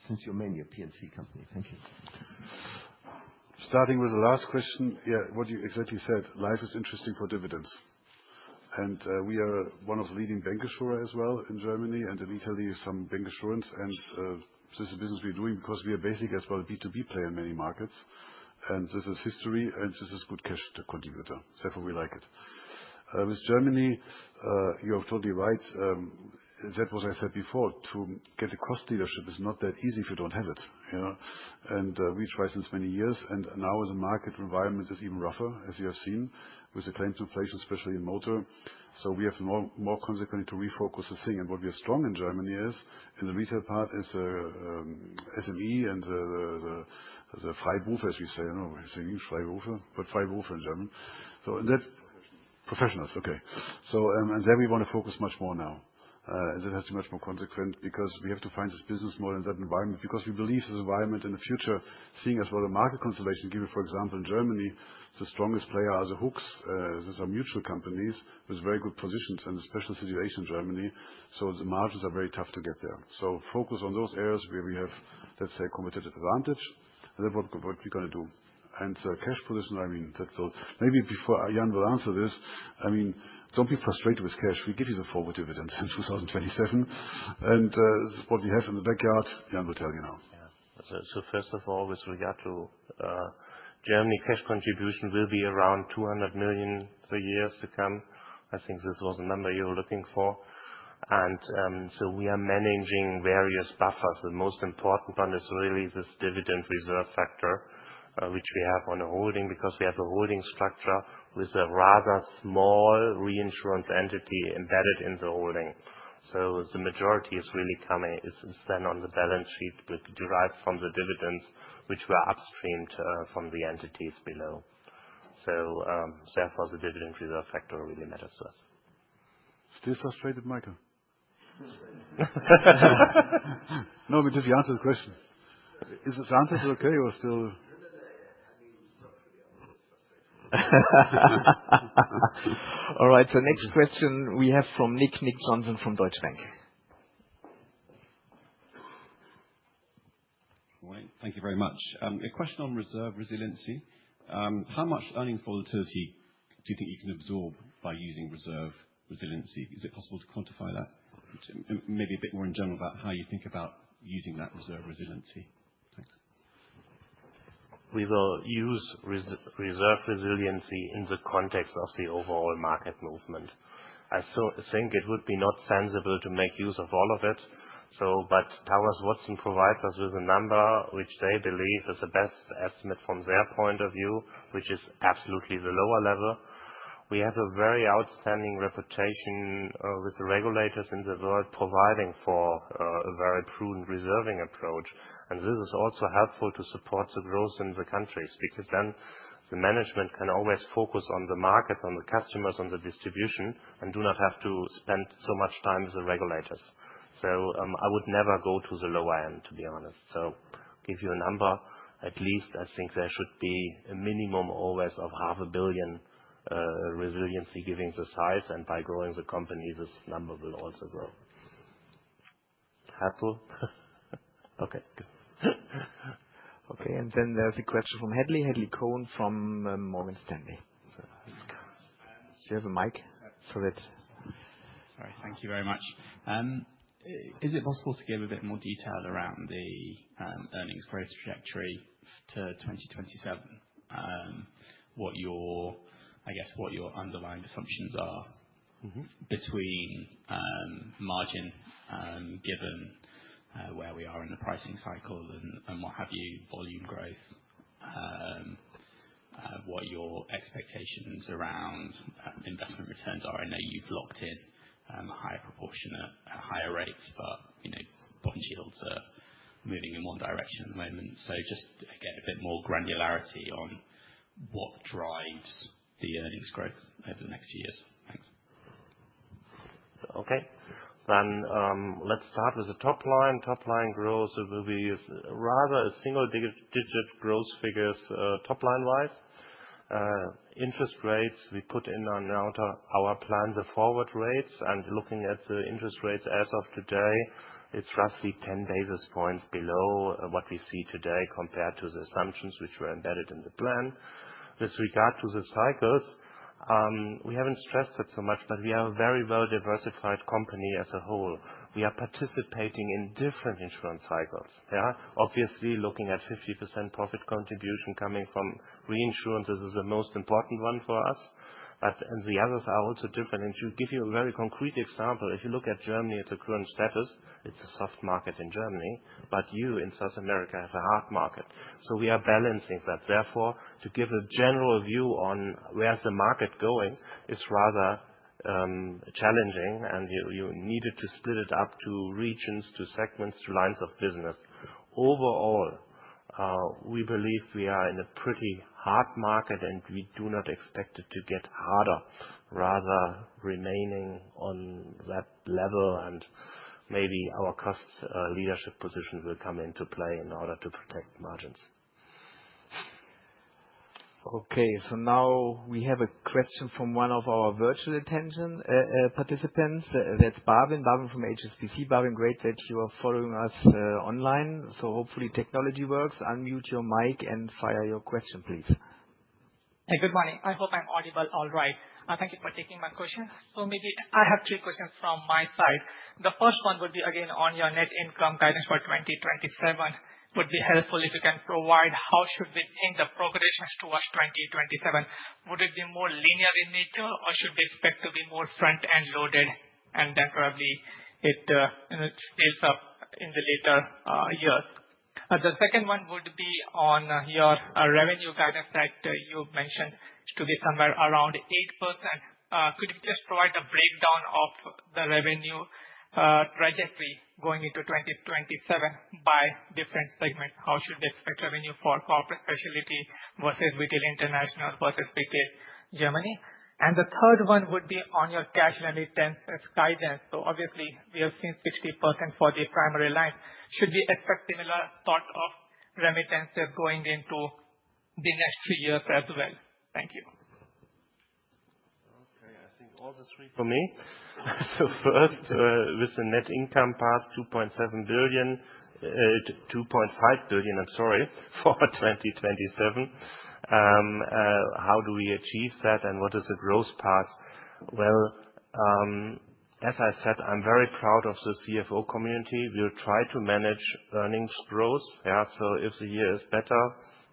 Since you're mainly a P&C company, thank you. Starting with the last question, yeah, what you exactly said, life is interesting for dividends. And we are one of the leading bancassurers as well in Germany, and in Italy some bancassurance, and this is a business we're doing because we are basically as well a B2B player in many markets, and this is history, and this is good cash contributor. Therefore, we like it. With Germany, you're totally right. That's what I said before. To get a cost leadership is not that easy if you don't have it, yeah? And we try since many years, and now the market environment is even rougher, as you have seen, with the claims inflation, especially in Motor. We have more consequently to refocus the thing, and what we are strong in Germany is, in the retail part, is SME and the Freiberufler, as we say, you know, we're thinking Freiberufler, but Freiberufler in German. And that. Professionals. Professionals, okay. And there we want to focus much more now. And that has to be much more consequent because we have to find this business model in that environment because we believe this environment in the future, seeing as well the market consolidation, give you for example in Germany, the strongest player are the HUKs. These are mutual companies with very good positions and a special situation in Germany. So, the margins are very tough to get there. Focus on those areas where we have, let's say, a competitive advantage, and that's what we're going to do. Cash position, I mean, that will maybe before Jan will answer this. I mean, don't be frustrated with cash. We'll give you the forward dividends in 2027, and what we have in the backyard, Jan will tell you now. Yeah. First of all, with regard to Germany, cash contribution will be around 200 million for years to come. I think this was the number you were looking for. We are managing various buffers. The most important one is really this Dividend Reserve Factor, which we have on a holding because we have a holding structure with a rather small reinsurance entity embedded in the holding. The majority is really coming; it's then on the balance sheet derived from the dividends, which were upstream from the entities below. Therefore, the Dividend Reserve Factor really matters to us. Still frustrated, Michael? No, because you answered the question. Is this answer okay or still? All right, so next question we have from Nick, Nick Johnson from Deutsche Bank. Good morning. Thank you very much. A question on reserve resiliency. How much earnings volatility do you think you can absorb by using reserve resiliency? Is it possible to quantify that? Maybe a bit more in general about how you think about using that reserve resiliency. Thanks. We will use reserve resiliency in the context of the overall market movement. I think it would be not sensible to make use of all of it, so, but Willis Towers Watson provides us with a number which they believe is the best estimate from their point of view, which is absolutely the lower level. We have a very outstanding reputation with the regulators in the world providing for a very prudent reserving approach, and this is also helpful to support the growth in the countries because then the management can always focus on the market, on the customers, on the distribution, and do not have to spend so much time with the regulators. So, I would never go to the lower end, to be honest. So, give you a number, at least I think there should be a minimum always of 500 million resiliency given the size, and by growing the companies, this number will also grow. Helpful? Okay, good. Okay, and then there's a question from Hadley Cohen from Morgan Stanley. Do you have a mic? Sorry. All right, thank you very much. Is it possible to give a bit more detail around the earnings growth trajectory to 2027? What are your, I guess, underlying assumptions between margin given where we are in the pricing cycle and what have you, volume growth, what your expectations around investment returns are. I know you've locked in a higher proportion at higher rates, but bond yields are moving in one direction at the moment. So, just get a bit more granularity on what drives the earnings growth over the next few years. Thanks. Okay, then let's start with the top line. Top line growth will be rather single-digit growth figures top line-wise. Interest rates, we put in our plan the forward rates, and looking at the interest rates as of today, it's roughly 10 basis points below what we see today compared to the assumptions which were embedded in the plan. With regard to the cycles, we haven't stressed it so much, but we are a very well-diversified company as a whole. We are participating in different insurance cycles, yeah? Obviously, looking at 50% profit contribution coming from reinsurance is the most important one for us, but the others are also different, and to give you a very concrete example, if you look at Germany at the current status, it's a soft market in Germany, but you in South America have a hard market, so we are balancing that. Therefore, to give a general view on where's the market going is rather challenging, and you needed to split it up to regions, to segments, to lines of business. Overall, we believe we are in a pretty hard market, and we do not expect it to get harder, rather remaining on that level, and maybe our cost leadership position will come into play in order to protect margins. Okay, so now we have a question from one of our virtual attendees. That's Bhavin from HSBC. Bhavin, great that you are following us online. So, hopefully, technology works. Unmute your mic and fire your question, please. Hey, good morning. I hope I'm audible all right. Thank you for taking my question. So, maybe I have three questions from my side. The first one would be again on your net income guidance for 2027. It would be helpful if you can provide how should we think the progression towards 2027. Would it be more linear in nature, or should we expect to be more front-end loaded, and then probably it scales up in the later years? The second one would be on your revenue guidance that you mentioned to be somewhere around 8%. Could you just provide a breakdown of the revenue trajectory going into 2027 by different segments? How should we expect revenue for corporate specialty versus Retail International versus Retail Germany? And the third one would be on your cash remittance guidance. So, obviously, we have seen 60% for the primary line. Should we expect similar sort of remittances going into the next three years as well? Thank you. Okay, I think all the three for me. So, first, with the net income part, 2.7 billion, 2.5 billion, I'm sorry, for 2027. How do we achieve that, and what is the growth part? Well, as I said, I'm very proud of the CFO community. We will try to manage earnings growth, yeah? So, if the year is better,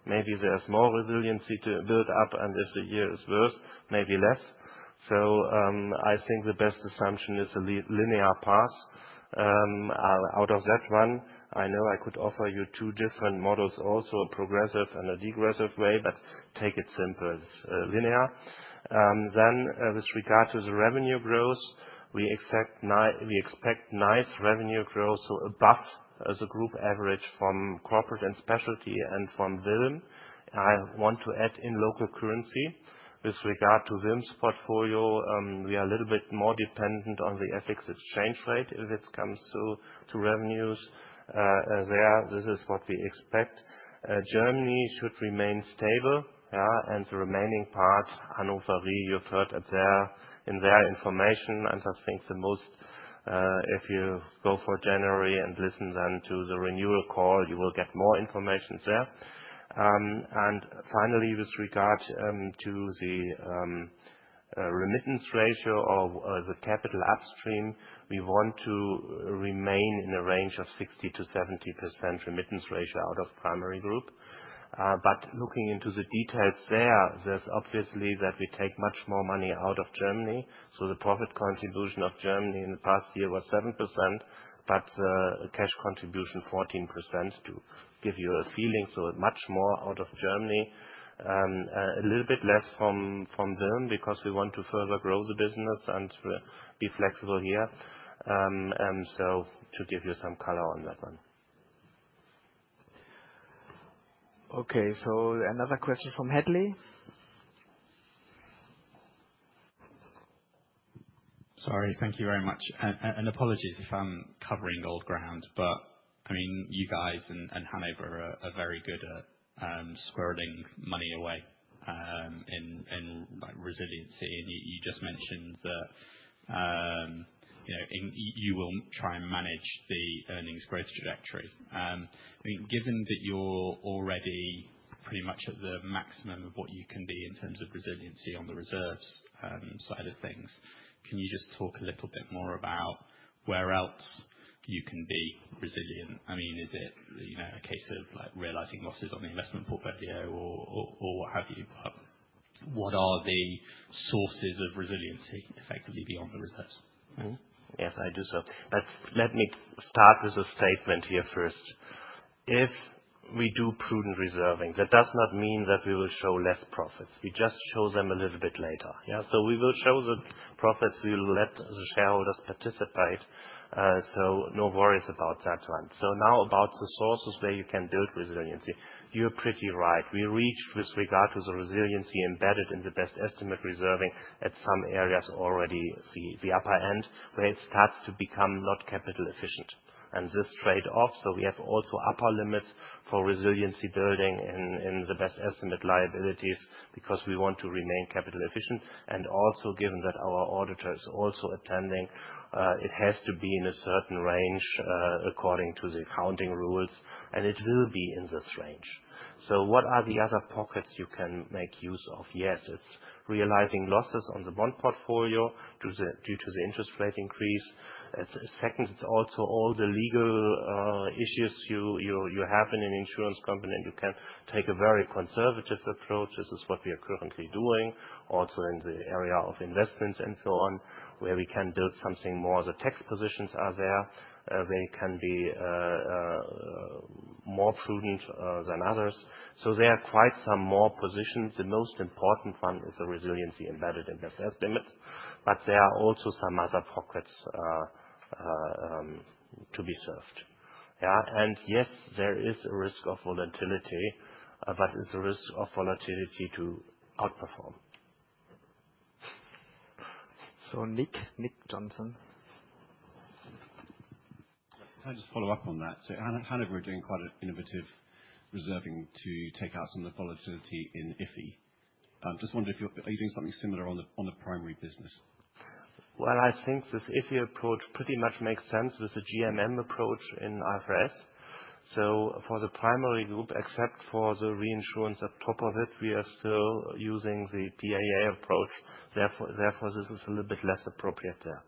maybe there's more resiliency to build up, and if the year is worse, maybe less. So, I think the best assumption is a linear path. Out of that one, I know I could offer you two different models also, a progressive and a degressive way, but take it simple, linear. Then, with regard to the revenue growth, we expect nice revenue growth, so above the group average from Corporate & Specialty and from Wilm. I want to add in local currency. With regard to Wilm's portfolio, we are a little bit more dependent on the FX exchange rate if it comes to revenues. There, this is what we expect. Germany should remain stable, yeah? The remaining part, Hannover Re, you've heard in their information, and I think the most, if you go for January and listen then to the renewal call, you will get more information there. Finally, with regard to the remittance ratio or the capital upstream, we want to remain in a range of 60%-70% remittance ratio out of primary group. But looking into the details there, there's obviously that we take much more money out of Germany. The profit contribution of Germany in the past year was 7%, but the cash contribution 14%, to give you a feeling. Much more out of Germany, a little bit less from Wilm because we want to further grow the business and be flexible here. To give you some color on that one. Okay, another question from Hadley. Sorry, thank you very much. Apologies if I'm covering old ground, but I mean, you guys and Hannover are very good at squirreling money away in resiliency, and you just mentioned that you will try and manage the earnings growth trajectory. I mean, given that you're already pretty much at the maximum of what you can be in terms of resiliency on the reserves side of things, can you just talk a little bit more about where else you can be resilient? I mean, is it a case of realizing losses on the investment portfolio or what have you? What are the sources of resiliency effectively beyond the reserves? Yes, I do so. Let me start with a statement here first. If we do prudent reserving, that does not mean that we will show less profits. We just show them a little bit later, yeah? So, we will show the profits. We will let the shareholders participate, so no worries about that one. Now, about the sources where you can build resiliency. You're pretty right. We reached, with regard to the resiliency embedded in the best estimate reserving, at some areas already the upper end where it starts to become not capital efficient, and this trade-off, so we have also upper limits for resiliency building in the best estimate liabilities because we want to remain capital efficient. Also, given that our auditor is also attending, it has to be in a certain range according to the accounting rules, and it will be in this range. What are the other pockets you can make use of? Yes, it's realizing losses on the bond portfolio due to the interest rate increase. Second, it's also all the legal issues you have in an insurance company, and you can take a very conservative approach. This is what we are currently doing, also in the area of investments and so on, where we can build something more. The tax positions are there where it can be more prudent than others. So, there are quite some more positions. The most important one is the resiliency embedded in the best estimates, but there are also some other pockets to be served, yeah? And yes, there is a risk of volatility, but it's a risk of volatility to outperform. So, Nick, Nick Johnson. Can I just follow up on that? So, Hannover Re are doing quite an innovative reserving to take out some of the volatility in IFRS. I'm just wondering if you're doing something similar on the primary business. I think this IFI approach pretty much makes sense with the GMM approach in IFRS. So, for the primary group, except for the reinsurance at top of it, we are still using the PAA approach. Therefore, this is a little bit less appropriate there.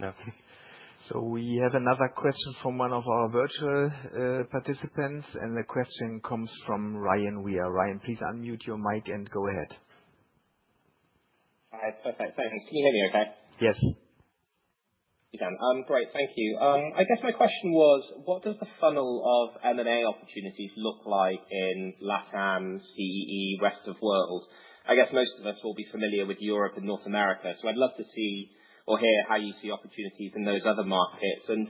Yeah. We have another question from one of our virtual participants, and the question comes from Ryan Weir. Ryan, please unmute your mic and go ahead. Hi, perfect. Thanks. Can you hear me okay? Yes. Great, thank you. I guess my question was, what does the funnel of M&A opportunities look like in LatAm, CEE, rest of world? I guess most of us will be familiar with Europe and North America, so I'd love to see or hear how you see opportunities in those other markets. And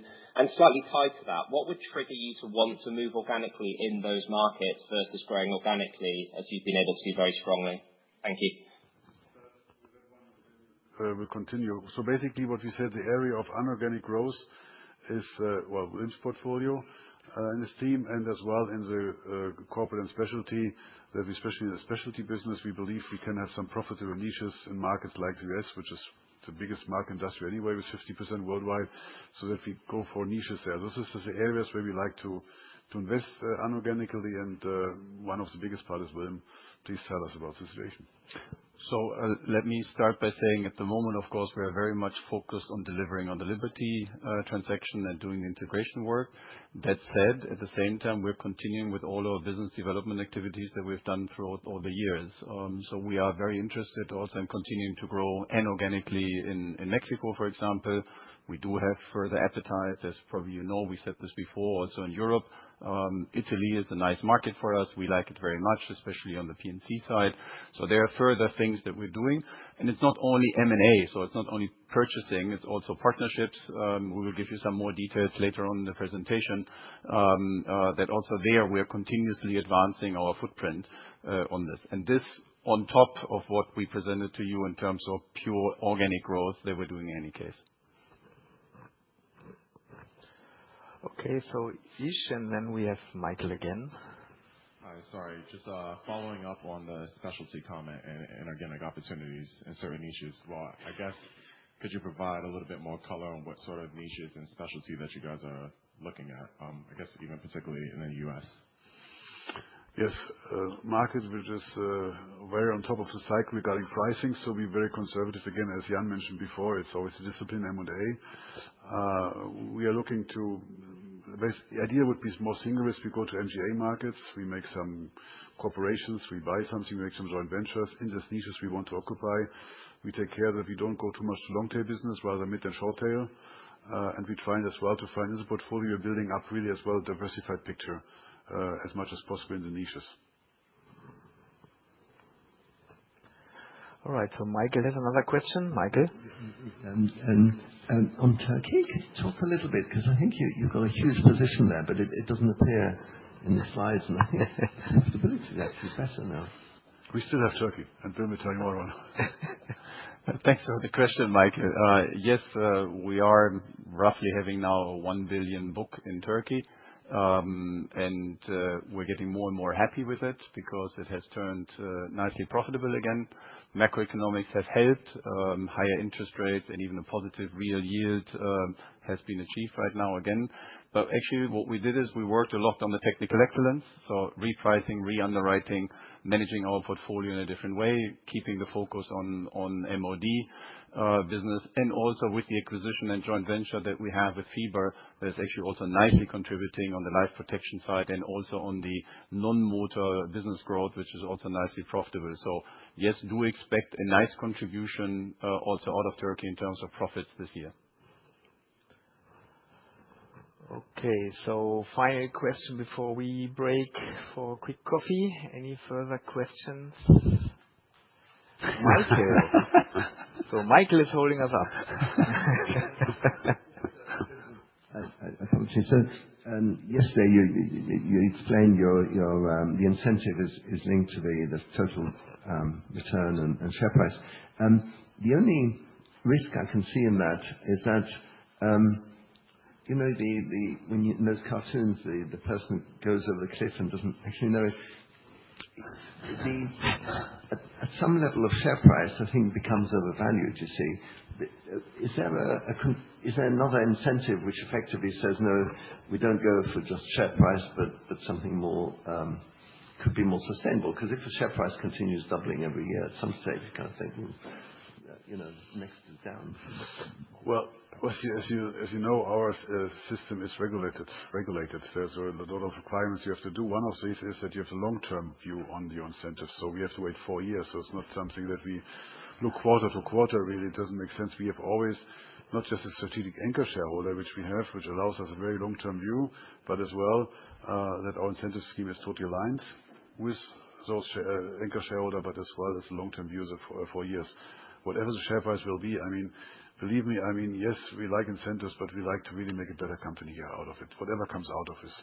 slightly tied to that, what would trigger you to want to move inorganically in those markets versus growing organically, as you've been able to see very strongly? Thank you. We'll continue. So, basically, what we said, the area of inorganic growth is, well, Wilm's portfolio and his team, and as well in the Corporate & Specialty, that we especially in the specialty business, we believe we can have some profitable niches in markets like the U.S., which is the biggest market industry anyway, with 50% worldwide, so that we go for niches there. Those are the areas where we like to invest inorganically, and one of the biggest part is Wilm. Please tell us about the situation. So, let me start by saying at the moment, of course, we are very much focused on delivering on the Liberty transaction and doing the integration work. That said, at the same time, we're continuing with all our business development activities that we've done throughout all the years. So we are very interested also in continuing to grow inorganically in Mexico, for example. We do have further appetite. As probably you know, we said this before, also in Europe, Italy is a nice market for us. We like it very much, especially on the P&C side. So there are further things that we're doing, and it's not only M&A, so it's not only purchasing, it's also partnerships. We will give you some more details later on in the presentation that also there we are continuously advancing our footprint on this. And this on top of what we presented to you in terms of pure organic growth that we're doing in any case. Okay, so Ish, and then we have Michael again. Hi, sorry. Just following up on the specialty comment and organic opportunities and certain niches. I guess, could you provide a little bit more color on what sort of niches and specialty that you guys are looking at? I guess even particularly in the U.S. Yes, markets were just very on top of the cycle regarding pricing, so we're very conservative. Again, as Jan mentioned before, it's always the disciplined M&A. We are looking to, the idea would be more synergistic. We go to MGA markets, we make some acquisitions, we buy something, we make some joint ventures in these niches we want to occupy. We take care that we don't go too much to long-tail business, rather mid and short-tail, and we try as well to find this portfolio building up really as well a diversified picture as much as possible in the niches. All right, so Michael has another question. Michael. On Turkey, could you talk a little bit? Because I think you've got a huge position there, but it doesn't appear in the slides, and I think the stability is actually better now. We still have Turkey, and then we'll tell you more on. Thanks for the question, Mike. Yes, we are roughly having now a 1 billion book in Turkey, and we're getting more and more happy with it because it has turned nicely profitable again. Macroeconomics has helped, higher interest rates, and even a positive real yield has been achieved right now again. But actually, what we did is we worked a lot on the technical excellence, so repricing, re-underwriting, managing our portfolio in a different way, keeping the focus on MOD business, and also with the acquisition and joint venture that we have with Fiba, that is actually also nicely contributing on the life protection side and also on the non-motor business growth, which is also nicely profitable. So, yes, do expect a nice contribution also out of Turkey in terms of profits this year. Okay, so final question before we break for a quick coffee. Any further questions? Michael. So, Michael is holding us up. Yesterday, you explained the incentive is linked to the total return and share price. The only risk I can see in that is that, you know, in those cartoons, the person goes over the cliff and doesn't actually know it. At some level of share price, I think it becomes overvalued, you see. Is there another incentive which effectively says, no, we don't go for just share price, but something more could be more sustainable? Because if the share price continues doubling every year at some stage, you kind of think, you know, next is down. Well, as you know, our system is regulated. There's a lot of requirements you have to do. One of these is that you have the long-term view on the incentives. So, we have to wait four years. So, it's not something that we look quarter-to-quarter. Really, it doesn't make sense. We have always not just a strategic anchor shareholder, which we have, which allows us a very long-term view, but as well that our incentive scheme is totally aligned with those anchor shareholders, but as well as the long-term views of four years. Whatever the share price will be, I mean, believe me, I mean, yes, we like incentives, but we like to really make a better company out of it. Whatever comes out of it.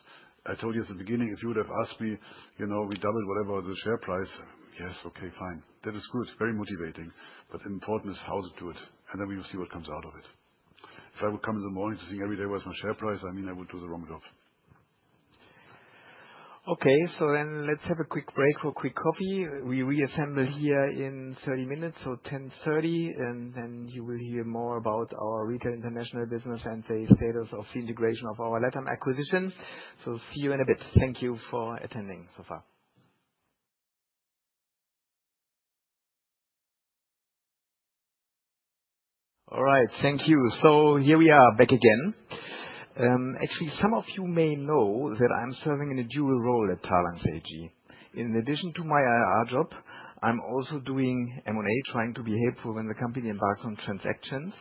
I told you at the beginning, if you would have asked me, you know, we doubled whatever the share price, yes, okay, fine. That is good, very motivating. The important thing is how to do it, and then we will see what comes out of it. If I would come in the morning to see every day where's my share price, I mean, I would do the wrong job. Okay, so then let's have a quick break for a quick coffee. We reassemble here in 30 minutes, so 10:30 A.M., and then you will hear more about our Retail International business and the status of the integration of our LatAm acquisition. So, see you in a bit. Thank you for attending so far. All right, thank you. So, here we are back again. Actually, some of you may know that I'm serving in a dual role at Talanx AG. In addition to my IR job, I'm also doing M&A, trying to be helpful when the company embarks on transactions.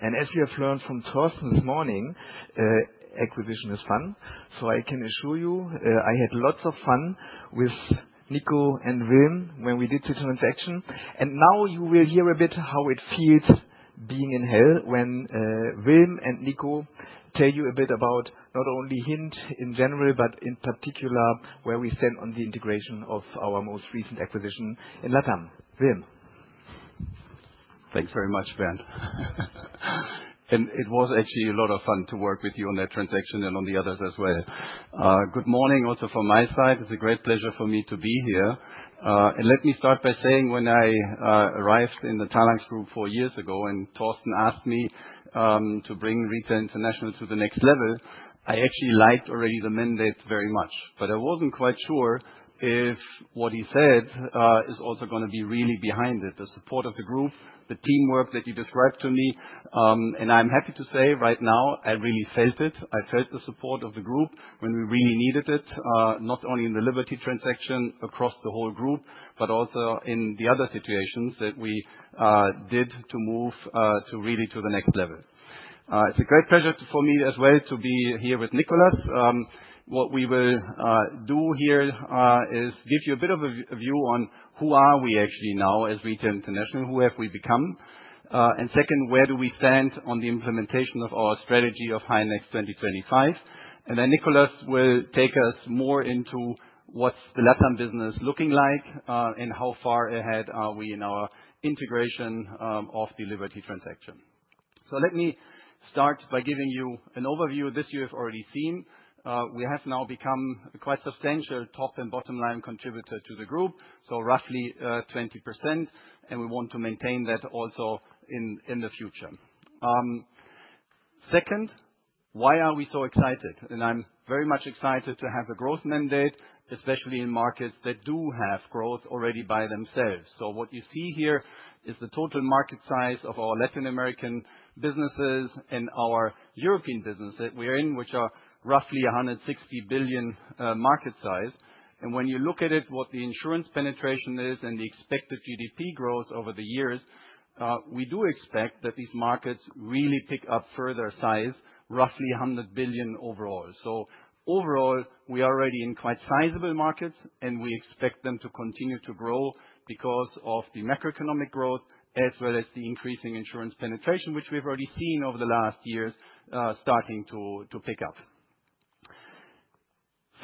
And as we have learned from Torsten this morning, acquisition is fun. So, I can assure you, I had lots of fun with Nico and Wilm when we did the transaction. Now you will hear a bit how it feels being in hell when Wilm and Nico tell you a bit about not only HDI Int in general, but in particular where we stand on the integration of our most recent acquisition in LatAm. Wilm. Thanks very much, Bernd. It was actually a lot of fun to work with you on that transaction and on the others as well. Good morning also from my side. It's a great pleasure for me to be here. Let me start by saying when I arrived in the Talanx group four years ago and Torsten asked me to bring Retail International to the next level, I actually liked already the mandate very much. But I wasn't quite sure if what he said is also going to be really behind it, the support of the group, the teamwork that you described to me. I'm happy to say right now, I really felt it. I felt the support of the group when we really needed it, not only in the Liberty transaction across the whole group, but also in the other situations that we did to move to really to the next level. It's a great pleasure for me as well to be here with Nicolas. What we will do here is give you a bit of a view on who are we actually now as Retail International, who have we become, and second, where do we stand on the implementation of our strategy of HI Next 2025. Then Nicolas will take us more into what's the LatAm business looking like and how far ahead are we in our integration of the Liberty transaction. Let me start by giving you an overview. This you have already seen. We have now become a quite substantial top and bottom line contributor to the group, so roughly 20%, and we want to maintain that also in the future. Second, why are we so excited? And I'm very much excited to have a growth mandate, especially in markets that do have growth already by themselves, so what you see here is the total market size of our Latin American businesses and our European business that we're in, which are roughly 160 billion market size, and when you look at it, what the insurance penetration is and the expected GDP growth over the years, we do expect that these markets really pick up further size, roughly 100 billion overall. Overall, we are already in quite sizable markets, and we expect them to continue to grow because of the macroeconomic growth as well as the increasing insurance penetration, which we've already seen over the last years starting to pick up.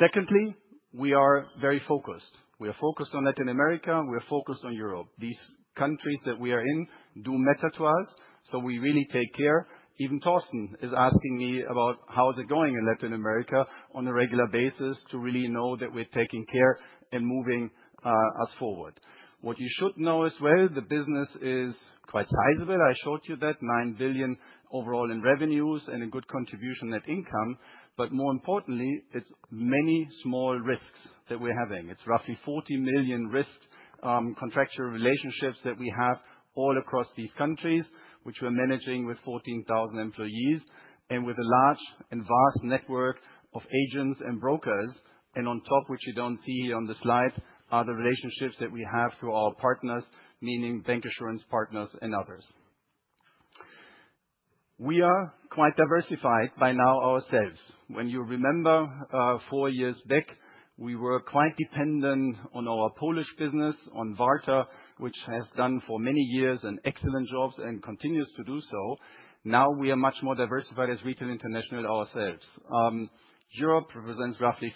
Secondly, we are very focused. We are focused on Latin America. We are focused on Europe. These countries that we are in do matter to us, so we really take care. Even Torsten is asking me about how's it going in Latin America on a regular basis to really know that we're taking care and moving us forward. What you should know as well, the business is quite sizable. I showed you that 9 billion overall in revenues and a good contribution net income, but more importantly, it's many small risks that we're having. It's roughly 40 million risk contractual relationships that we have all across these countries, which we're managing with 14,000 employees and with a large and vast network of agents and brokers. And on top, which you don't see here on the slide, are the relationships that we have through our partners, meaning bancassurance partners and others. We are quite diversified by now ourselves. When you remember four years back, we were quite dependent on our Polish business, on Warta, which has done for many years excellent jobs and continues to do so. Now we are much more diversified as Retail International ourselves. Europe represents roughly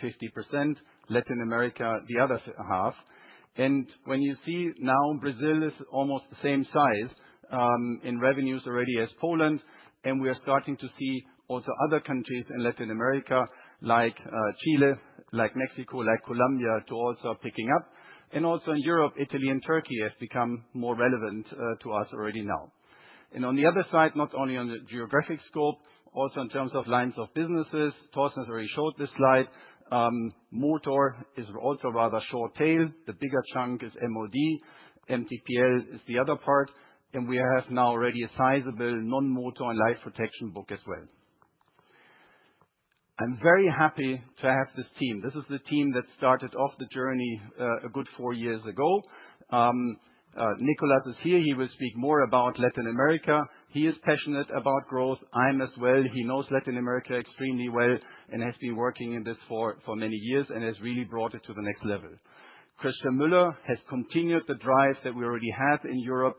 50%, Latin America the other half. And when you see now, Brazil is almost the same size in revenues already as Poland, and we are starting to see also other countries in Latin America like Chile, like Mexico, like Colombia to also picking up. Also in Europe, Italy and Turkey have become more relevant to us already now. On the other side, not only on the geographic scope, also in terms of lines of businesses, Torsten has already showed this slide. Motor is also rather short tail. The bigger chunk is MOD. MTPL is the other part, and we have now already a sizable non-motor and life protection book as well. I'm very happy to have this team. This is the team that started off the journey a good four years ago. Nicolas is here. He will speak more about Latin America. He is passionate about growth. I'm as well. He knows Latin America extremely well and has been working in this for many years and has really brought it to the next level. Christian Müller has continued the drive that we already have in Europe,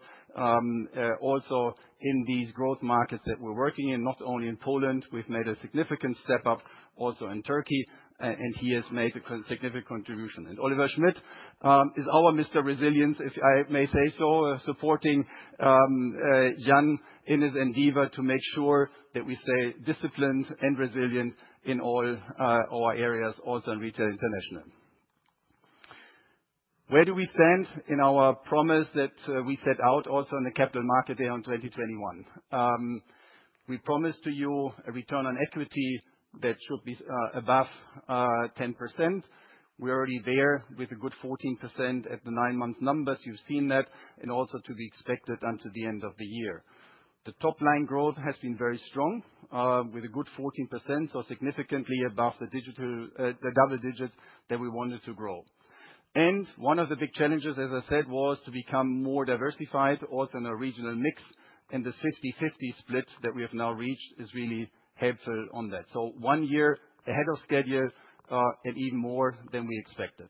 also in these growth markets that we're working in, not only in Poland. We've made a significant step up also in Turkey, and he has made a significant contribution. And Oliver Schmidt is our Mr. Resilience, if I may say so, supporting Jan in his endeavor to make sure that we stay disciplined and resilient in all our areas, also in Retail International. Where do we stand in our promise that we set out also in the capital market there in 2021? We promised to you a return on equity that should be above 10%. We're already there with a good 14% at the nine-month numbers. You've seen that and also to be expected until the end of the year. The top line growth has been very strong with a good 14%, so significantly above the double-digits that we wanted to grow, and one of the big challenges, as I said, was to become more diversified, also in a regional mix, and the 50/50 split that we have now reached is really helpful on that, so one year ahead of schedule and even more than we expected.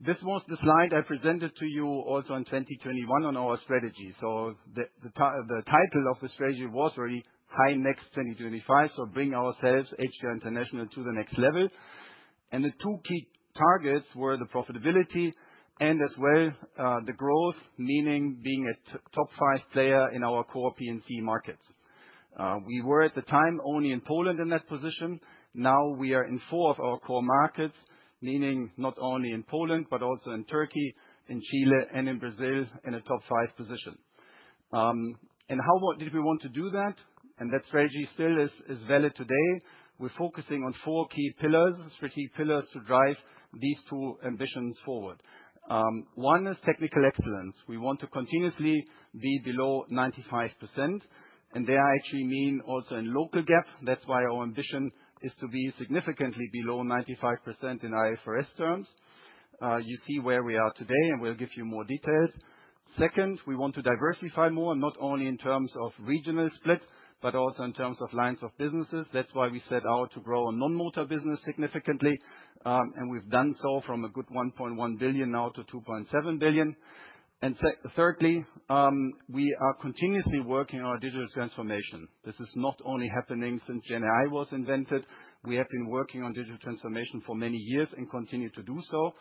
This was the slide I presented to you also in 2021 on our strategy, so the title of the strategy was already HI Next 2025, so bring ourselves HDI International to the next level, and the two key targets were the profitability and as well the growth, meaning being a top five player in our core P&C markets. We were at the time only in Poland in that position. Now we are in four of our core markets, meaning not only in Poland, but also in Turkey, in Chile, and in Brazil in a top five position. And how did we want to do that? And that strategy still is valid today. We're focusing on four key pillars, strategic pillars to drive these two ambitions forward. One is technical excellence. We want to continuously be below 95%, and there I actually mean also in local GAAP. That's why our ambition is to be significantly below 95% in IFRS terms. You see where we are today, and we'll give you more details. Second, we want to diversify more, not only in terms of regional split, but also in terms of lines of businesses. That's why we set out to grow a non-motor business significantly, and we've done so from a good 1.1 billion now to 2.7 billion. Thirdly, we are continuously working on our digital transformation. This is not only happening since GenAI was invented. We have been working on digital transformation for many years and continue to do so.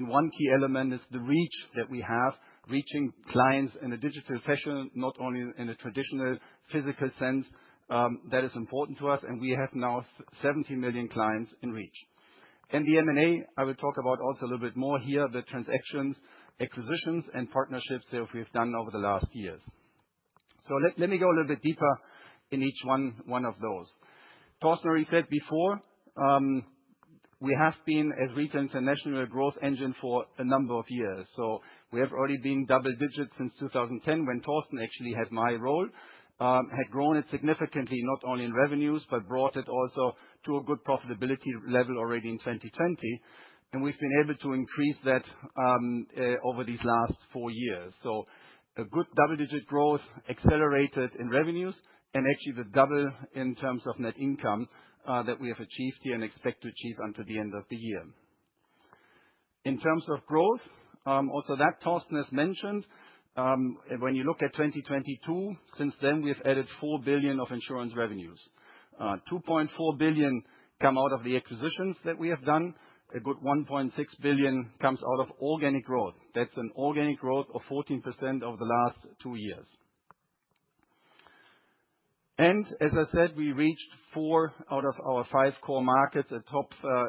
One key element is the reach that we have, reaching clients in a digital fashion, not only in a traditional physical sense. That is important to us, and we have now 70 million clients in reach. The M&A, I will talk about also a little bit more here, the transactions, acquisitions, and partnerships that we've done over the last years. So, let me go a little bit deeper in each one of those. Torsten already said before, we have been as Retail International a growth engine for a number of years. We have already been double-digits since 2010 when Torsten actually had my role, had grown it significantly, not only in revenues, but brought it also to a good profitability level already in 2020, and we've been able to increase that over these last four years. A good double digit growth accelerated in revenues and actually the double in terms of net income that we have achieved here and expect to achieve until the end of the year. In terms of growth, also that Torsten has mentioned, when you look at 2022, since then we've added 4 billion of insurance revenues. 2.4 billion come out of the acquisitions that we have done. A good 1.6 billion comes out of organic growth. That's an organic growth of 14% over the last two years. As I said, we reached four out of our five core markets at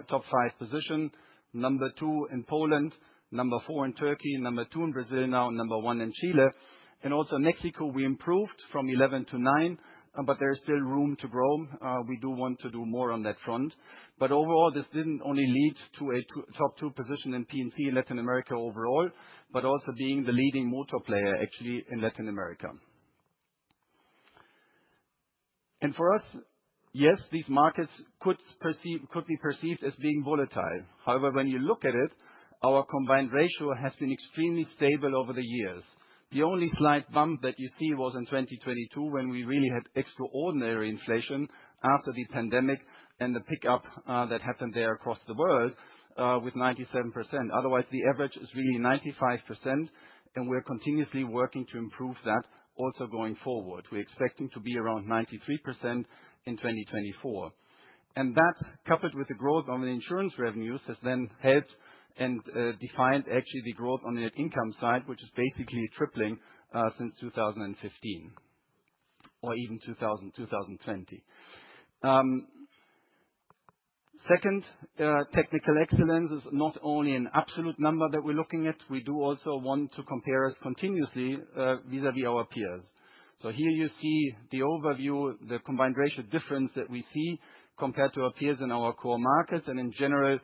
top five position. Number two in Poland, number four in Turkey, number two in Brazil now, and number one in Chile. Also Mexico, we improved from 11 to nine, but there is still room to grow. We do want to do more on that front. Overall, this didn't only lead to a top two position in P&C in Latin America overall, but also being the leading motor player actually in Latin America. For us, yes, these markets could be perceived as being volatile. However, when you look at it, our combined ratio has been extremely stable over the years. The only slight bump that you see was in 2022 when we really had extraordinary inflation after the pandemic and the pickup that happened there across the world with 97%. Otherwise, the average is really 95%, and we're continuously working to improve that also going forward. We're expecting to be around 93% in 2024, and that, coupled with the growth of the insurance revenues, has then helped and defined actually the growth on the net income side, which is basically tripling since 2015 or even 2020. Second, technical excellence is not only an absolute number that we're looking at. We do also want to compare us continuously vis-à-vis our peers. So here you see the overview, the combined ratio difference that we see compared to our peers in our core markets, and in general,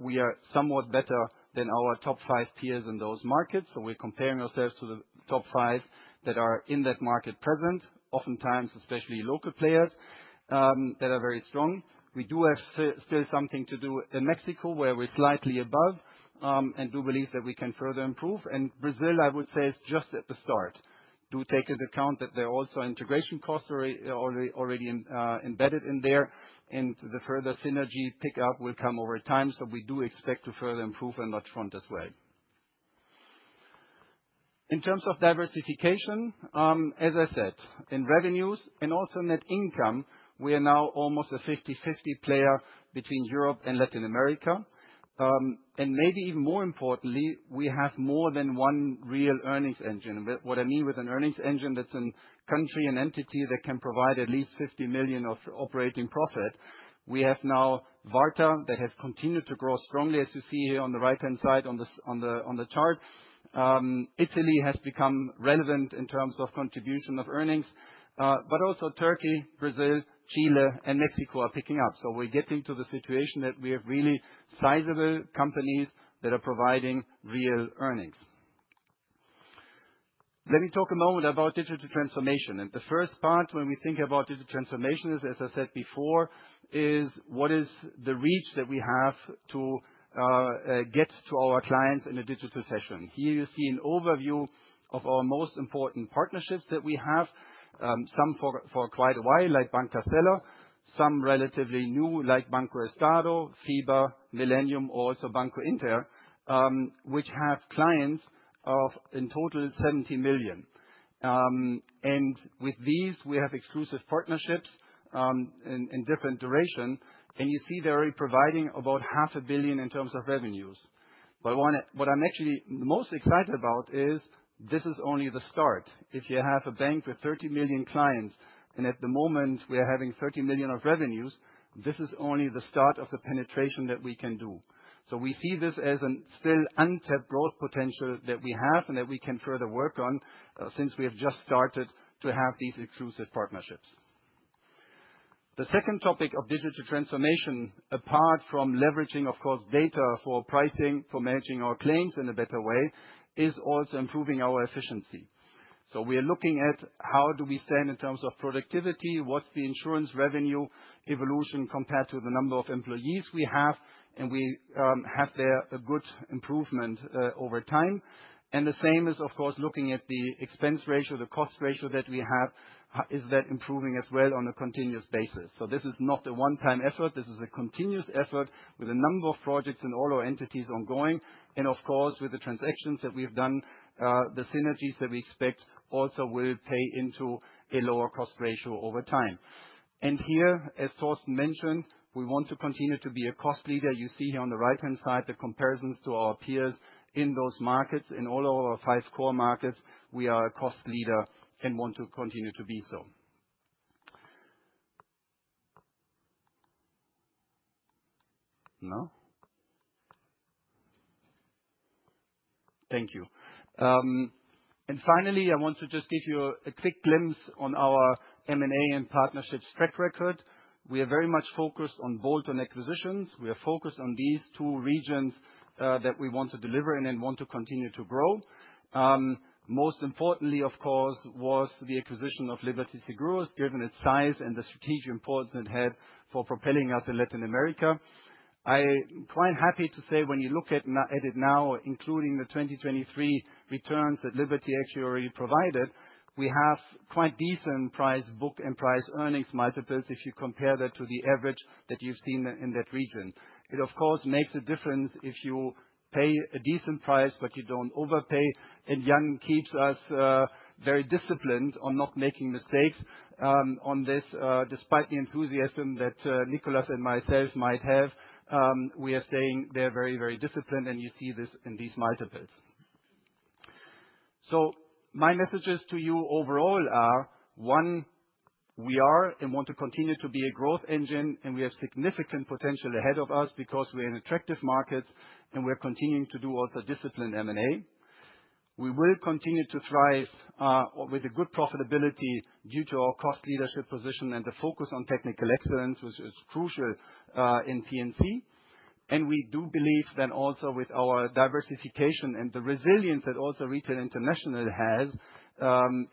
we are somewhat better than our top five peers in those markets. So we're comparing ourselves to the top five that are in that market present, oftentimes especially local players that are very strong. We do have still something to do in Mexico where we're slightly above and do believe that we can further improve, and Brazil, I would say, is just at the start. Do take into account that there are also integration costs already embedded in there, and the further synergy pickup will come over time, so we do expect to further improve on that front as well. In terms of diversification, as I said, in revenues and also net income, we are now almost a 50/50 player between Europe and Latin America, and maybe even more importantly, we have more than one real earnings engine. What I mean with an earnings engine, that's a country, an entity that can provide at least 50 million of operating profit. We have now Warta that has continued to grow strongly, as you see here on the right-hand side on the chart. Italy has become relevant in terms of contribution of earnings, but also Turkey, Brazil, Chile, and Mexico are picking up. So we're getting to the situation that we have really sizable companies that are providing real earnings. Let me talk a moment about digital transformation. And the first part when we think about digital transformation is, as I said before, what is the reach that we have to get to our clients in a digital fashion? Here you see an overview of our most important partnerships that we have, some for quite a while, like Banca Sella, some relatively new, like BancoEstado, Fiba, Millennium, also Banco Inter, which have clients of in total 70 million. And with these, we have exclusive partnerships in different durations. And you see they're already providing about 500 million in terms of revenues. But what I'm actually most excited about is this is only the start. If you have a bank with 30 million clients and at the moment we're having 30 million of revenues, this is only the start of the penetration that we can do. So we see this as a still untapped growth potential that we have and that we can further work on since we have just started to have these exclusive partnerships. The second topic of digital transformation, apart from leveraging, of course, data for pricing, for managing our claims in a better way, is also improving our efficiency. So we are looking at how do we stand in terms of productivity, what's the insurance revenue evolution compared to the number of employees we have, and we have there a good improvement over time. The same is, of course, looking at the expense ratio, the cost ratio that we have. Is that improving as well on a continuous basis? This is not a one-time effort. This is a continuous effort with a number of projects in all our entities ongoing. Of course, with the transactions that we've done, the synergies that we expect also will pay into a lower cost ratio over time. Here, as Torsten mentioned, we want to continue to be a cost leader. You see here on the right-hand side the comparisons to our peers in those markets. In all our five core markets, we are a cost leader and want to continue to be so. No? Thank you. Finally, I want to just give you a quick glimpse on our M&A and partnerships track record. We are very much focused on bolt-on acquisitions. We are focused on these two regions that we want to deliver and then want to continue to grow. Most importantly, of course, was the acquisition of Liberty Seguros, given its size and the strategic importance it had for propelling us in Latin America. I'm quite happy to say when you look at it now, including the 2023 returns that Liberty actually already provided, we have quite decent price book and price earnings multiples if you compare that to the average that you've seen in that region. It, of course, makes a difference if you pay a decent price, but you don't overpay, and Jan keeps us very disciplined on not making mistakes on this. Despite the enthusiasm that Nicolas and myself might have, we are staying there very, very disciplined, and you see this in these multiples. My messages to you overall are, one, we are and want to continue to be a growth engine, and we have significant potential ahead of us because we're in attractive markets and we're continuing to do also disciplined M&A. We will continue to thrive with a good profitability due to our cost leadership position and the focus on technical excellence, which is crucial in P&C, and we do believe that also with our diversification and the resilience that also Retail International has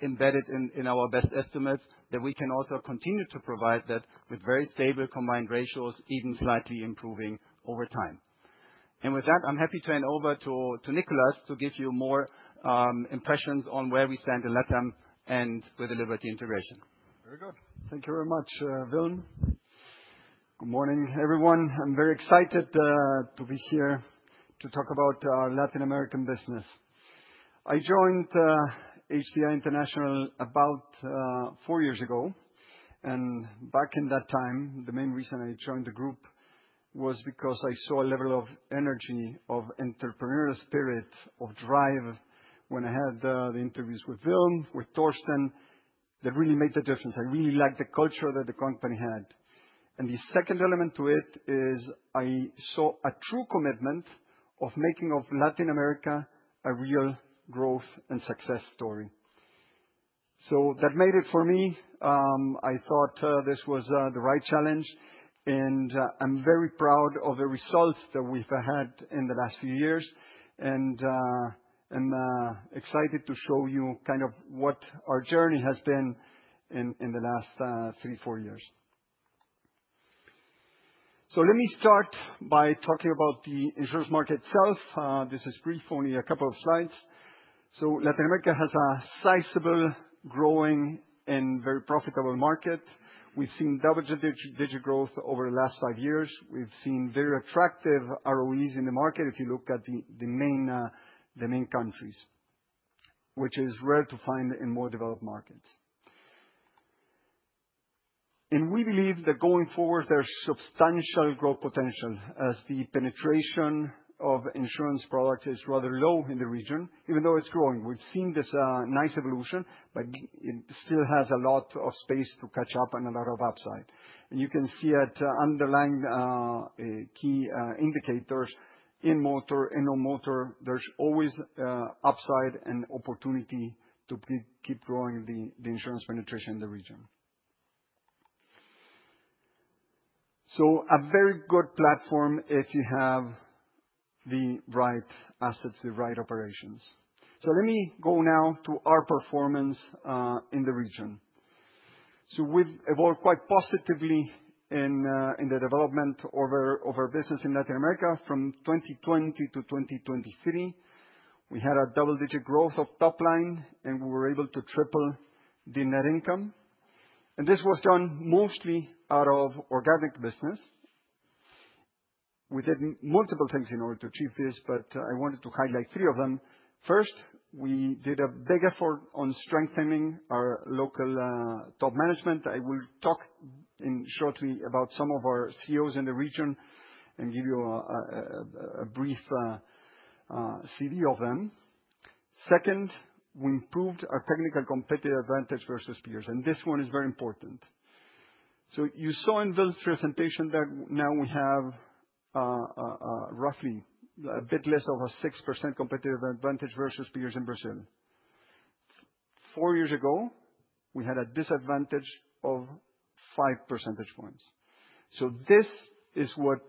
embedded in our best estimates, that we can also continue to provide that with very stable combined ratios, even slightly improving over time, and with that, I'm happy to hand over to Nicolas to give you more impressions on where we stand in Latin and with the Liberty integration. Very good. Thank you very much, Wilm. Good morning, everyone. I'm very excited to be here to talk about our Latin American business. I joined HDI International about four years ago, and back in that time, the main reason I joined the group was because I saw a level of energy, of entrepreneurial spirit, of drive when I had the interviews with Wilm, with Torsten that really made the difference. I really liked the culture that the company had, and the second element to it is I saw a true commitment of making Latin America a real growth and success story, so that made it for me. I thought this was the right challenge, and I'm very proud of the results that we've had in the last few years, and I'm excited to show you kind of what our journey has been in the last three, four years. So let me start by talking about the insurance market itself. This is brief, only a couple of slides. Latin America has a sizable, growing, and very profitable market. We've seen double digit digital growth over the last five years. We've seen very attractive ROEs in the market if you look at the main countries, which is rare to find in more developed markets. We believe that going forward, there's substantial growth potential as the penetration of insurance products is rather low in the region, even though it's growing. We've seen this nice evolution, but it still has a lot of space to catch up and a lot of upside. You can see the underlying key indicators in motor and non-motor; there's always upside and opportunity to keep growing the insurance penetration in the region. A very good platform if you have the right assets, the right operations. Let me go now to our performance in the region. We've evolved quite positively in the development of our business in Latin America. From 2020-2023, we had a double-digit growth of top line, and we were able to triple the net income. This was done mostly out of organic business. We did multiple things in order to achieve this, but I wanted to highlight three of them. First, we did a big effort on strengthening our local top management. I will talk shortly about some of our CEOs in the region and give you a brief CV of them. Second, we improved our technical competitive advantage versus peers, and this one is very important. You saw in this presentation that now we have roughly a bit less of a 6% competitive advantage versus peers in Brazil. Four years ago, we had a disadvantage of 5 percentage points. This is what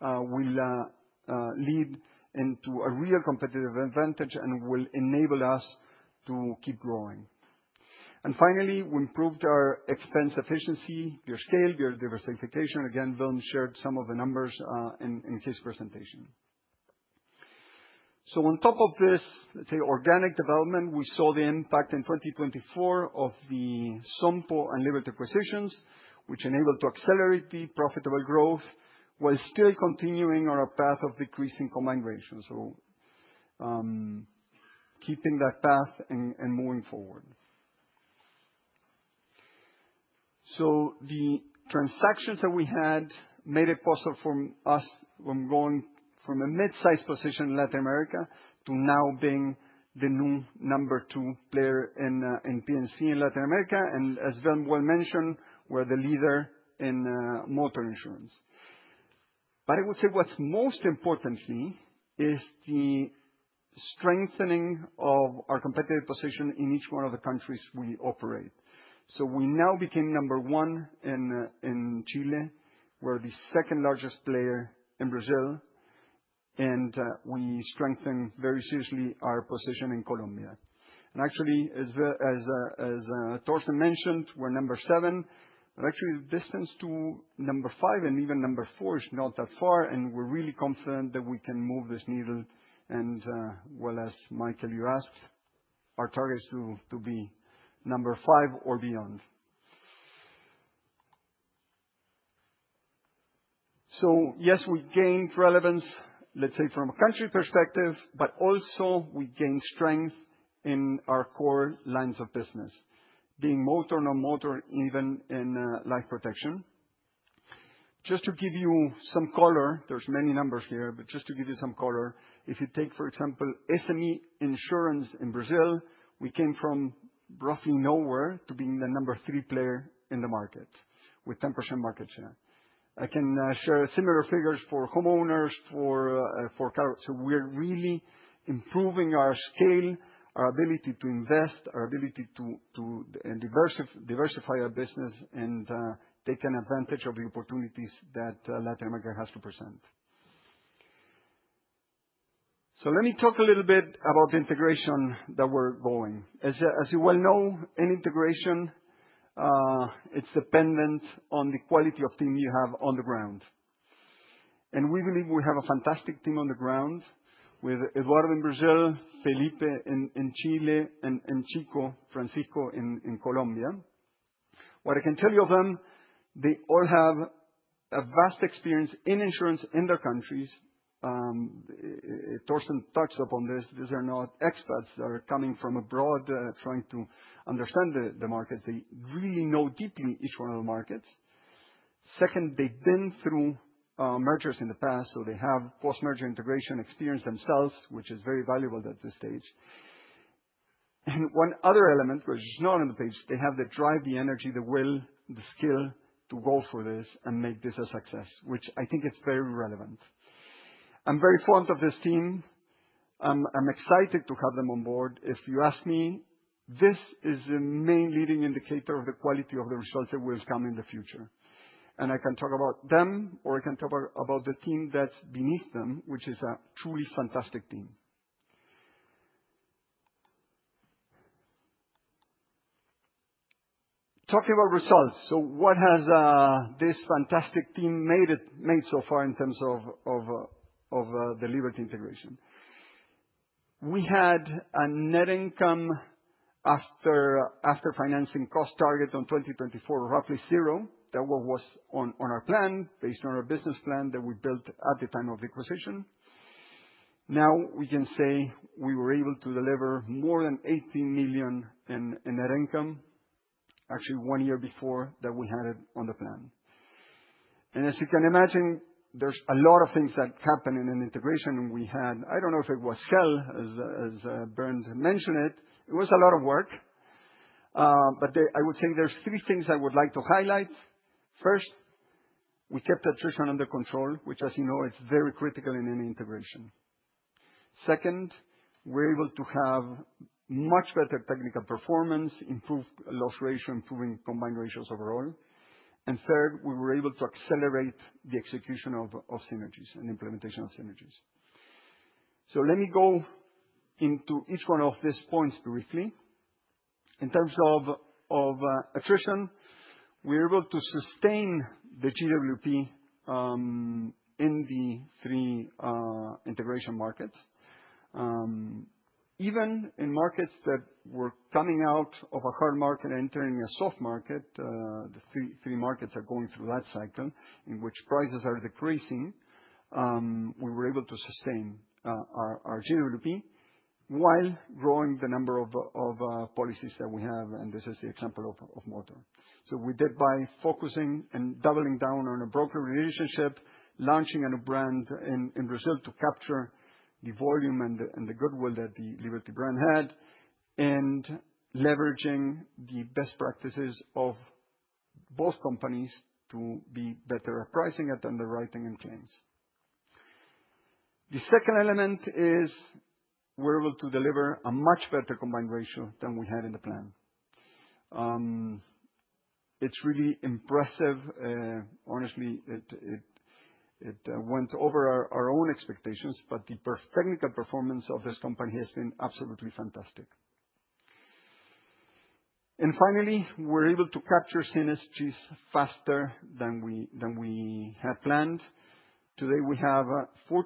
will lead into a real competitive advantage and will enable us to keep growing. And finally, we improved our expense efficiency, peer scale, peer diversification. Again, Wilm shared some of the numbers in case presentation. On top of this, let's say organic development, we saw the impact in 2024 of the Sompo and Liberty acquisitions, which enabled to accelerate the profitable growth while still continuing on a path of decreasing combined ratio. Keeping that path and moving forward. The transactions that we had made it possible for us from going from a mid-size position in Latin America to now being the new number two player in P&C in Latin America. As Wilm well mentioned, we're the leader in motor insurance. I would say what's most importantly is the strengthening of our competitive position in each one of the countries we operate. We now became number one in Chile. We're the second largest player in Brazil, and we strengthen very seriously our position in Colombia. Actually, as Torsten mentioned, we're number seven. Actually, the distance to number five and even number four is not that far, and we're really confident that we can move this needle. Well, as Michael, you asked, our target is to be number five or beyond. So yes, we gained relevance, let's say, from a country perspective, but also we gained strength in our core lines of business, being motor and non-motor, even in life protection. Just to give you some color, there's many numbers here, but just to give you some color, if you take, for example, SME insurance in Brazil, we came from roughly nowhere to being the number three player in the market with 10% market share. I can share similar figures for homeowners. So we're really improving our scale, our ability to invest, our ability to diversify our business, and take advantage of the opportunities that Latin America has to present. So let me talk a little bit about the integration that we're going. As you well know, any integration, it's dependent on the quality of team you have on the ground. We believe we have a fantastic team on the ground with Eduardo in Brazil, Felipe in Chile, and Chico, Francisco in Colombia. What I can tell you of them, they all have a vast experience in insurance in their countries. Torsten touched upon this. These are not experts that are coming from abroad trying to understand the markets. They really know deeply each one of the markets. Second, they've been through mergers in the past, so they have post-merger integration experience themselves, which is very valuable at this stage. One other element, which is not on the page, they have the drive, the energy, the will, the skill to go for this and make this a success, which I think is very relevant. I'm very fond of this team. I'm excited to have them on board. If you ask me, this is a main leading indicator of the quality of the results that will come in the future. I can talk about them, or I can talk about the team that's beneath them, which is a truly fantastic team. Talking about results, what has this fantastic team made so far in terms of the Liberty integration? We had a net income after financing cost target on 2024, roughly zero. That was on our plan, based on our business plan that we built at the time of the acquisition. Now we can say we were able to deliver more than 18 million in net income, actually one year before that we had it on the plan. As you can imagine, there's a lot of things that happen in an integration. We had, I don't know if it was Sella, as Bernd mentioned it, it was a lot of work. But I would say there's three things I would like to highlight. First, we kept attrition under control, which, as you know, is very critical in any integration. Second, we're able to have much better technical performance, improved loss ratio, improving combined ratios overall. And third, we were able to accelerate the execution of synergies and implementation of synergies. So let me go into each one of these points briefly. In terms of attrition, we were able to sustain the GWP in the three integration markets. Even in markets that were coming out of a hard market and entering a soft market, the three markets are going through that cycle in which prices are decreasing. We were able to sustain our GWP while growing the number of policies that we have, and this is the example of motor. So we did by focusing and doubling down on a broker relationship, launching a new brand in Brazil to capture the volume and the goodwill that the Liberty brand had, and leveraging the best practices of both companies to be better at pricing and underwriting and claims. The second element is we're able to deliver a much better combined ratio than we had in the plan. It's really impressive. Honestly, it went over our own expectations, but the technical performance of this company has been absolutely fantastic. And finally, we're able to capture synergies faster than we had planned. Today, we have 40%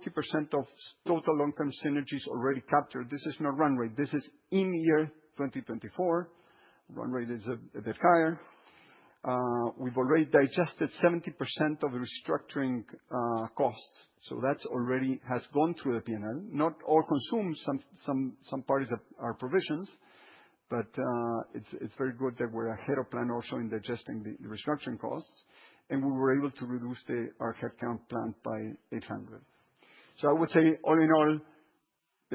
of total long-term synergies already captured. This is not run rate. This is in year 2024. Run rate is a bit higher. We've already digested 70% of restructuring costs. So that's already has gone through the P&L. Not all consumed some part of our provisions, but it's very good that we're ahead of plan also in digesting the restructuring costs. And we were able to reduce our headcount plan by 800. So I would say all in all,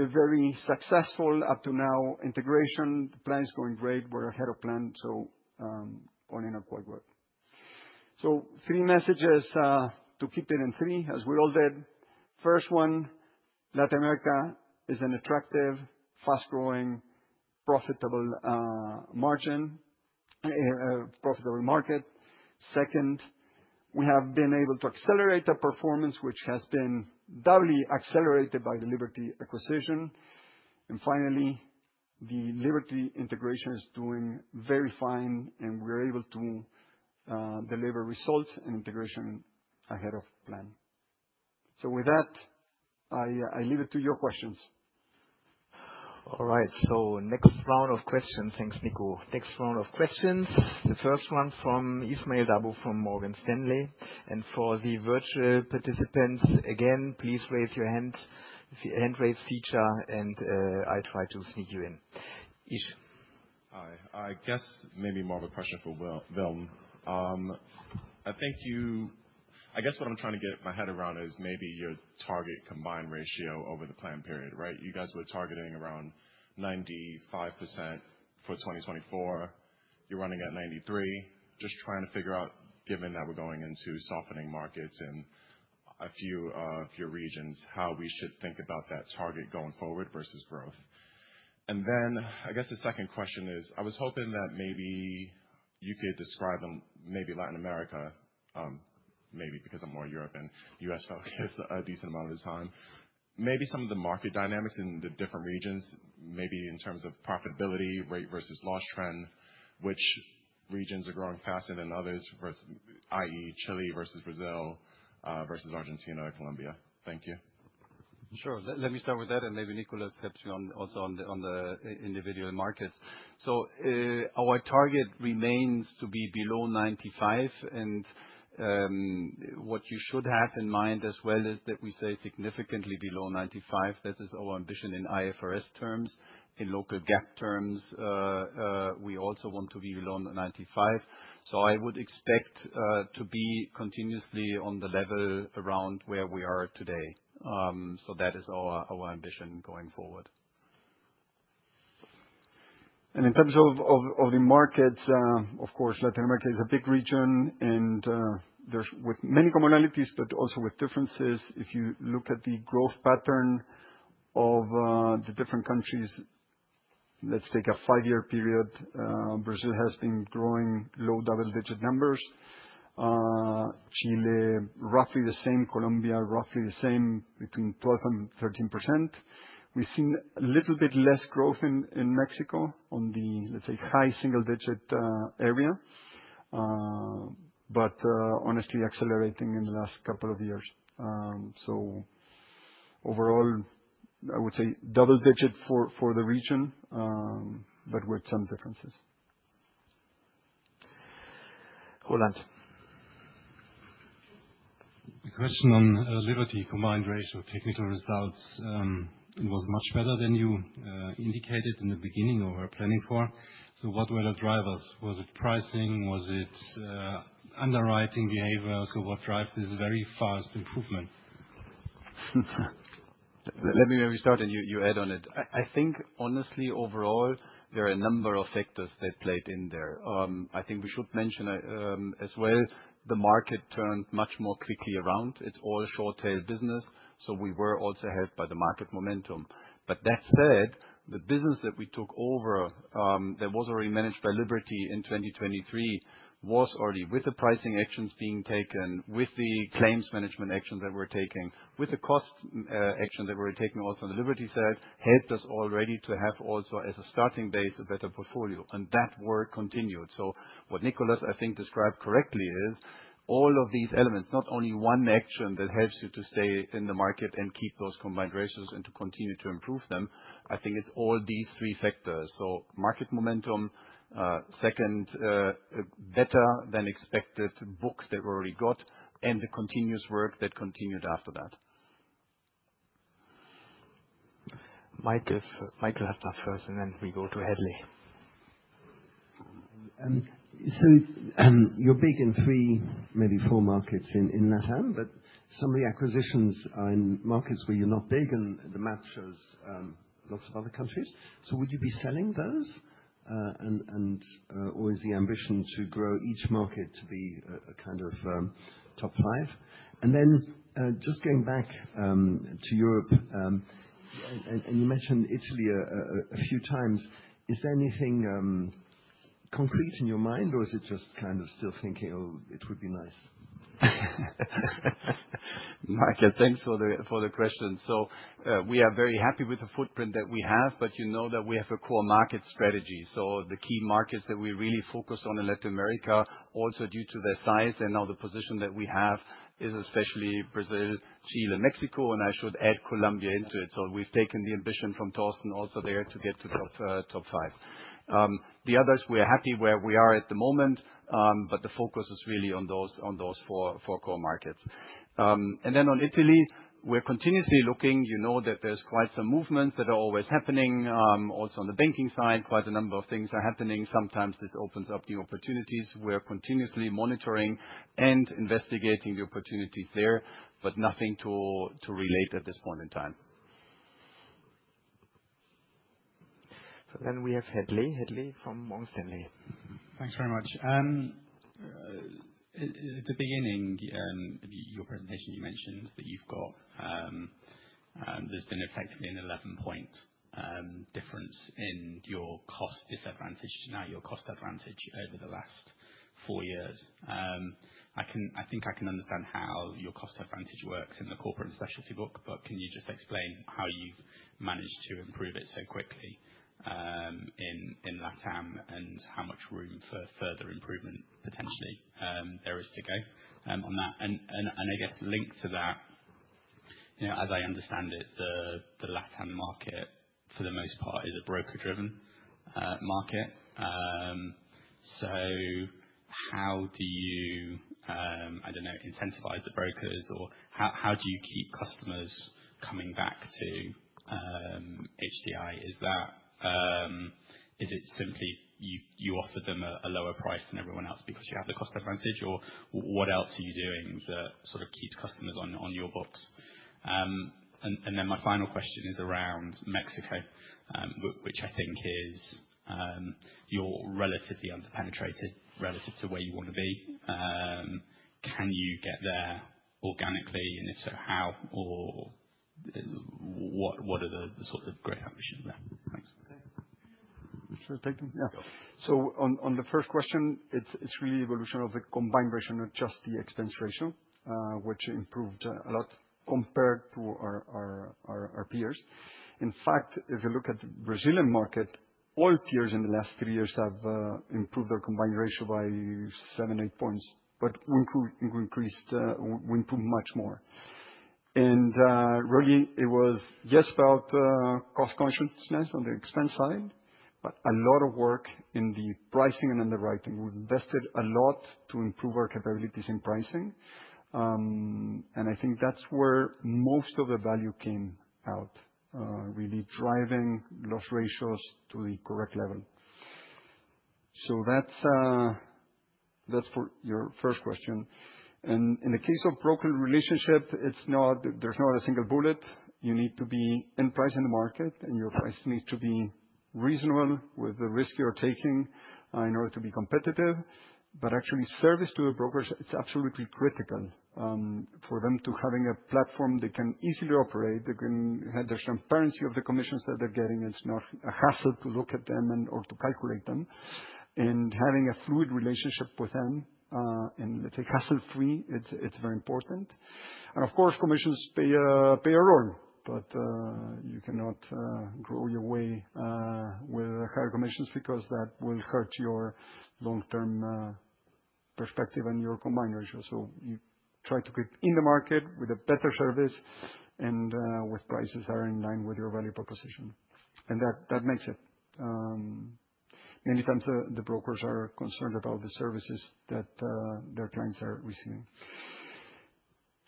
a very successful up to now integration. The plan is going great. We're ahead of plan. So all in all, quite good. So three messages to keep it in three, as we all did. First one, Latin America is an attractive, fast-growing, profitable margin, profitable market. Second, we have been able to accelerate the performance, which has been doubly accelerated by the Liberty acquisition. And finally, the Liberty integration is doing very fine, and we're able to deliver results and integration ahead of plan. So with that, I leave it to your questions. All right. So, next round of questions. Thanks, Nico. The first one from Ismael Dabo from Morgan Stanley. And for the virtual participants, again, please raise your hand, hand raise feature, and I try to sneak you in. Ish. Hi. I guess maybe more of a question for Wilm. I think you, I guess what I'm trying to get my head around is maybe your target combined ratio over the plan period, right? You guys were targeting around 95% for 2024. You're running at 93%. Just trying to figure out, given that we're going into softening markets in a few regions, how we should think about that target going forward versus growth. And then I guess the second question is, I was hoping that maybe you could describe maybe Latin America, maybe because I'm more European U.S. focused a decent amount of time. Maybe some of the market dynamics in the different regions, maybe in terms of profitability, rate versus loss trend, which regions are growing faster than others, i.e., Chile versus Brazil versus Argentina or Colombia. Thank you. Sure. Let me start with that, and maybe Nico will step you on also on the individual markets, so our target remains to be below 95%, and what you should have in mind as well is that we stay significantly below 95. That is our ambition in IFRS terms, in local GAAP terms. We also want to be below 95%, so I would expect to be continuously on the level around where we are today, so that is our ambition going forward. And in terms of the markets, of course, Latin America is a big region and there's many commonalities, but also with differences. If you look at the growth pattern of the different countries, let's take a five-year period. Brazil has been growing low double-digit numbers. Chile, roughly the same. Colombia, roughly the same, between 12% and 13%. We've seen a little bit less growth in Mexico on the, let's say, high single-digit area, but honestly accelerating in the last couple of years. So overall, I would say double-digit for the region, but with some differences. Roland. My question on Liberty combined ratio technical results. It was much better than you indicated in the beginning or were planning for. So what were the drivers? Was it pricing? Was it underwriting behavior? So what drives this very fast improvement? Let me maybe start and you add on it. I think honestly, overall, there are a number of factors that played in there. I think we should mention as well, the market turned much more quickly around. It's all short-tail business, so we were also helped by the market momentum. But that said, the business that we took over that was already managed by Liberty in 2023 was already with the pricing actions being taken, with the claims management actions that we're taking, with the cost actions that we're taking also on the Liberty side, helped us already to have also as a starting base a better portfolio, and that work continued, so what Nico I think described correctly is all of these elements, not only one action that helps you to stay in the market and keep those combined ratios and to continue to improve them. I think it's all these three factors. So market momentum, second, better than expected books that we already got, and the continuous work that continued after that. Michael. If Michael has to start first, and then we go to Hadley. So you're big in three, maybe four markets in LatAm, but some of the acquisitions are in markets where you're not big, and the map shows lots of other countries. So would you be selling those? And or is the ambition to grow each market to be a kind of top five? And then just going back to Europe, and you mentioned Italy a few times, is there anything concrete in your mind, or is it just kind of still thinking, oh, it would be nice? Michael, thanks for the question. So we are very happy with the footprint that we have, but you know that we have a core market strategy. So the key markets that we really focus on in Latin America, also due to their size and now the position that we have, is especially Brazil, Chile, and Mexico, and I should add Colombia into it. So we've taken the ambition from Torsten also there to get to top five. The others, we're happy where we are at the moment, but the focus is really on those four core markets. And then on Italy, we're continuously looking. You know that there's quite some movements that are always happening, also on the banking side, quite a number of things are happening. Sometimes this opens up new opportunities. We're continuously monitoring and investigating the opportunities there, but nothing to report at this point in time. So then we have Hadley from Morgan Stanley. Thanks very much. At the beginning of your presentation, you mentioned that there's been effectively an 11-point difference in your cost disadvantage, now your cost advantage over the last four years. I think I can understand how your cost advantage works in the corporate specialty book, but can you just explain how you've managed to improve it so quickly in LatAm and how much room for further improvement potentially there is to go on that? And I guess linked to that, as I understand it, the LatAm market for the most part is a broker-driven market. So how do you, I don't know, incentivize the brokers, or how do you keep customers coming back to HDI? Is it simply you offer them a lower price than everyone else because you have the cost advantage, or what else are you doing that sort of keeps customers on your books? And then my final question is around Mexico, which I think is, you're relatively underpenetrated relative to where you want to be. Can you get there organically, and if so, how, or what are the sort of growth ambitions there? Thanks. Sure. Thank you. Yeah. So on the first question, it's really the evolution of the combined ratio, not just the expense ratio, which improved a lot compared to our peers. In fact, if you look at the Brazilian market, all peers in the last three years have improved their combined ratio by seven points, eight points, but we improved much more. And really, it was, yes, about cost consciousness on the expense side, but a lot of work in the pricing and underwriting. We invested a lot to improve our capabilities in pricing. And I think that's where most of the value came out, really driving loss ratios to the correct level. So that's for your first question. And in the case of broker relationship, there's not a single bullet. You need to be priced in the market, and your price needs to be reasonable with the risk you're taking in order to be competitive, but actually, service to a broker, it's absolutely critical for them to have a platform they can easily operate. There's transparency of the commissions that they're getting. It's not a hassle to look at them and/or to calculate them, and having a fluid relationship with them and, let's say, hassle-free, it's very important, and of course, commissions play a role, but you cannot grow your way with higher commissions because that will hurt your long-term perspective and your combined ratio, so you try to keep in the market with a better service and with prices that are in line with your value proposition, and that makes it. Many times, the brokers are concerned about the services that their clients are receiving.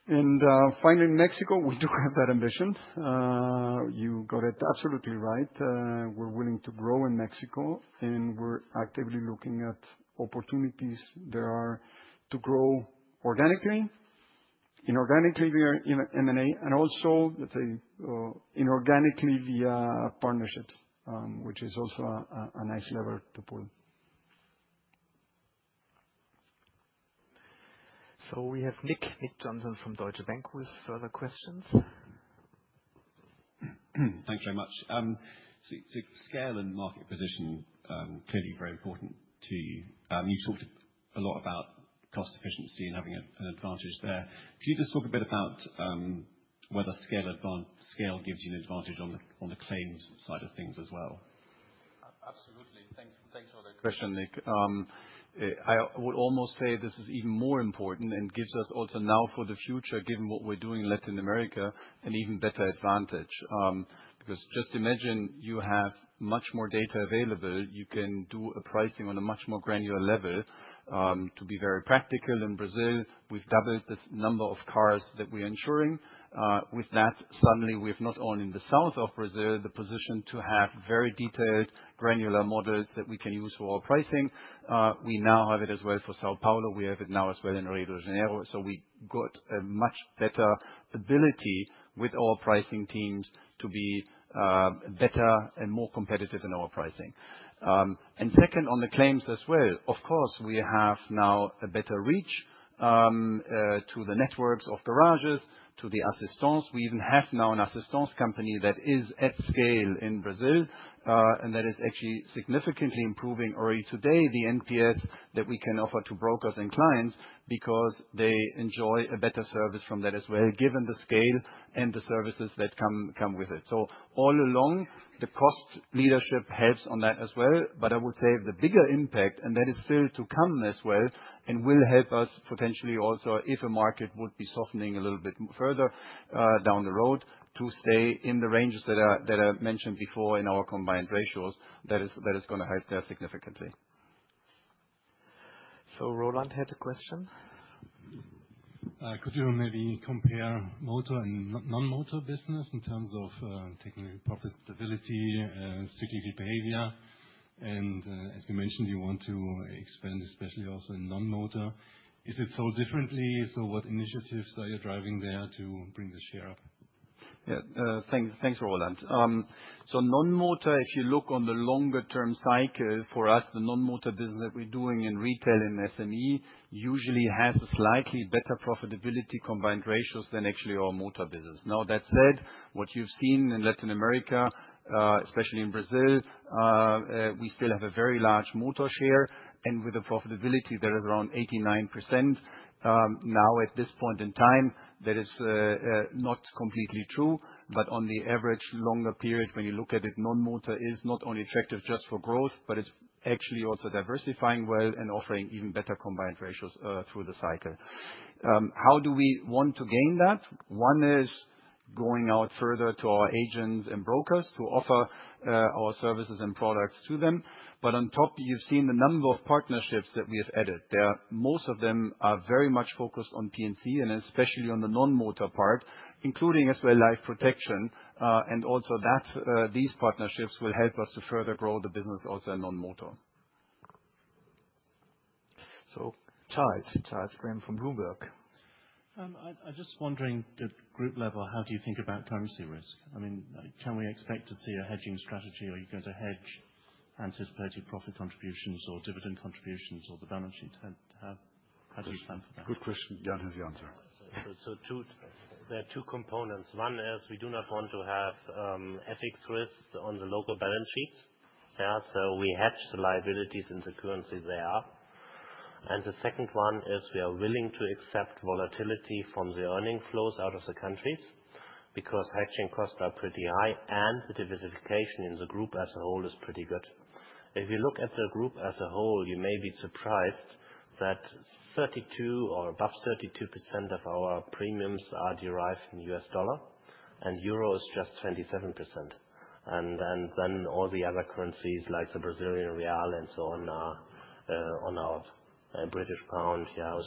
Finally, in Mexico, we do have that ambition. You got it absolutely right. We're willing to grow in Mexico, and we're actively looking at opportunities there are to grow organically, inorganically via M&A, and also, let's say, inorganically via partnerships, which is also a nice lever to pull. So we have Nick Johnson from Deutsche Bank with further questions. Thanks very much. So scale and market position, clearly very important to you. You talked a lot about cost efficiency and having an advantage there. Can you just talk a bit about whether scale gives you an advantage on the claims side of things as well? Absolutely. Thanks for the question, Nick. I would almost say this is even more important and gives us also now for the future, given what we're doing in Latin America, an even better advantage. Because just imagine you have much more data available. You can do pricing on a much more granular level. To be very practical, in Brazil, we've doubled the number of cars that we are insuring. With that, suddenly, we have not only in the south of Brazil the position to have very detailed granular models that we can use for our pricing. We now have it as well for São Paulo. We have it now as well in Rio de Janeiro. So we got a much better ability with our pricing teams to be better and more competitive in our pricing. And second, on the claims as well, of course, we have now a better reach to the networks of garages, to the assistance. We even have now an assistance company that is at scale in Brazil, and that is actually significantly improving already today the NPS that we can offer to brokers and clients because they enjoy a better service from that as well, given the scale and the services that come with it. So all along, the cost leadership helps on that as well. But I would say the bigger impact, and that is still to come as well, and will help us potentially also if a market would be softening a little bit further down the road to stay in the ranges that are mentioned before in our combined ratios, that is going to help there significantly. So Roland had a question. Could you maybe compare motor and non-motor business in terms of technical profitability, strategic behavior? And as you mentioned, you want to expand especially also in non-motor. Is it sold differently? So what initiatives are you driving there to bring the share up? Yeah. Thanks, Roland. So non-motor, if you look on the longer-term cycle for us, the non-motor business that we're doing in retail in SME usually has a slightly better profitability combined ratios than actually our motor business. Now, that said, what you've seen in Latin America, especially in Brazil, we still have a very large motor share, and with the profitability, there is around 89%. Now, at this point in time, that is not completely true, but on the average longer period, when you look at it, non-motor is not only attractive just for growth, but it's actually also diversifying well and offering even better combined ratios through the cycle. How do we want to gain that? One is going out further to our agents and brokers to offer our services and products to them. But on top, you've seen the number of partnerships that we have added. Most of them are very much focused on P&C and especially on the non-motor part, including as well life protection. And also these partnerships will help us to further grow the business also in non-motor. So, Charles Graham from Bloomberg. I'm just wondering at group level, how do you think about currency risk? I mean, can we expect to see a hedging strategy, or are you going to hedge anticipated profit contributions or dividend contributions or the balance sheet? How do you plan for that? Good question. Jan has the answer. There are two components. One is we do not want to have FX risks on the local balance sheets. We hedge the liabilities in the currency there. The second one is we are willing to accept volatility from the earning flows out of the countries because hedging costs are pretty high, and the diversification in the group as a whole is pretty good. If you look at the group as a whole, you may be surprised that 32% or above 32% of our premiums are derived in U.S. dollar, and Euro is just 27%. Then all the other currencies like the Brazilian real and so on are on our British pound, our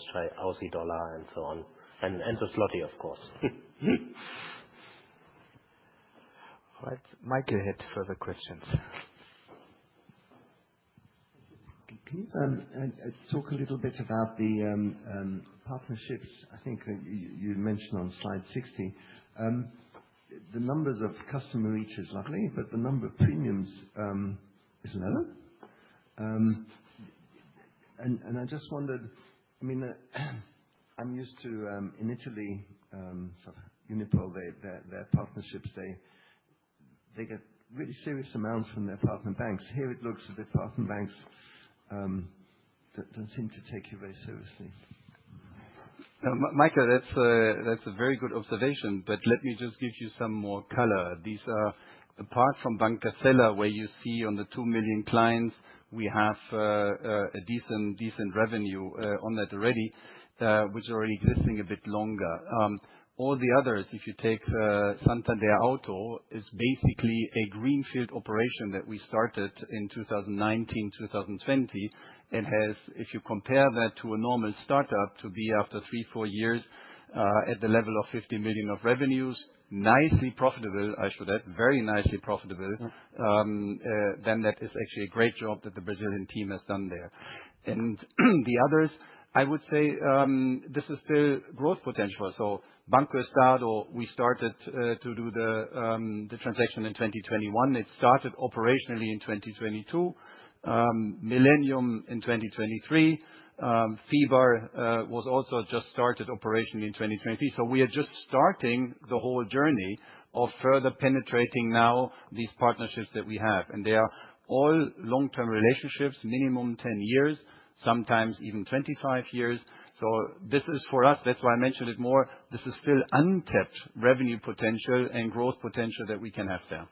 Aussie dollar, and so on. And the zloty, of course. All right. Michael had further questions. Thank you. Talk a little bit about the partnerships. I think you mentioned on slide 60, the numbers of customer reach is lovely, but the number of premiums is lower. And I just wondered, I mean, I'm used to in Italy, Unipol, their partnerships, they get really serious amounts from their partner banks. Here it looks as if partner banks don't seem to take you very seriously. Michael, that's a very good observation, but let me just give you some more color. Apart from Banca Sella, where you see on the two million clients, we have a decent revenue on that already, which is already existing a bit longer. All the others, if you take Santander Auto, is basically a greenfield operation that we started in 2019, 2020. And if you compare that to a normal startup to be after three, four years at the level of 50 million of revenues, nicely profitable, I should add, very nicely profitable, then that is actually a great job that the Brazilian team has done there. And the others, I would say this is still growth potential. So BancoEstado, we started to do the transaction in 2021. It started operationally in 2022, Millennium in 2023. Fiba was also just started operationally in 2023. So we are just starting the whole journey of further penetrating now these partnerships that we have. And they are all long-term relationships, minimum 10 years, sometimes even 25 years. So this is for us, that's why I mentioned it more, this is still untapped revenue potential and growth potential that we can have there.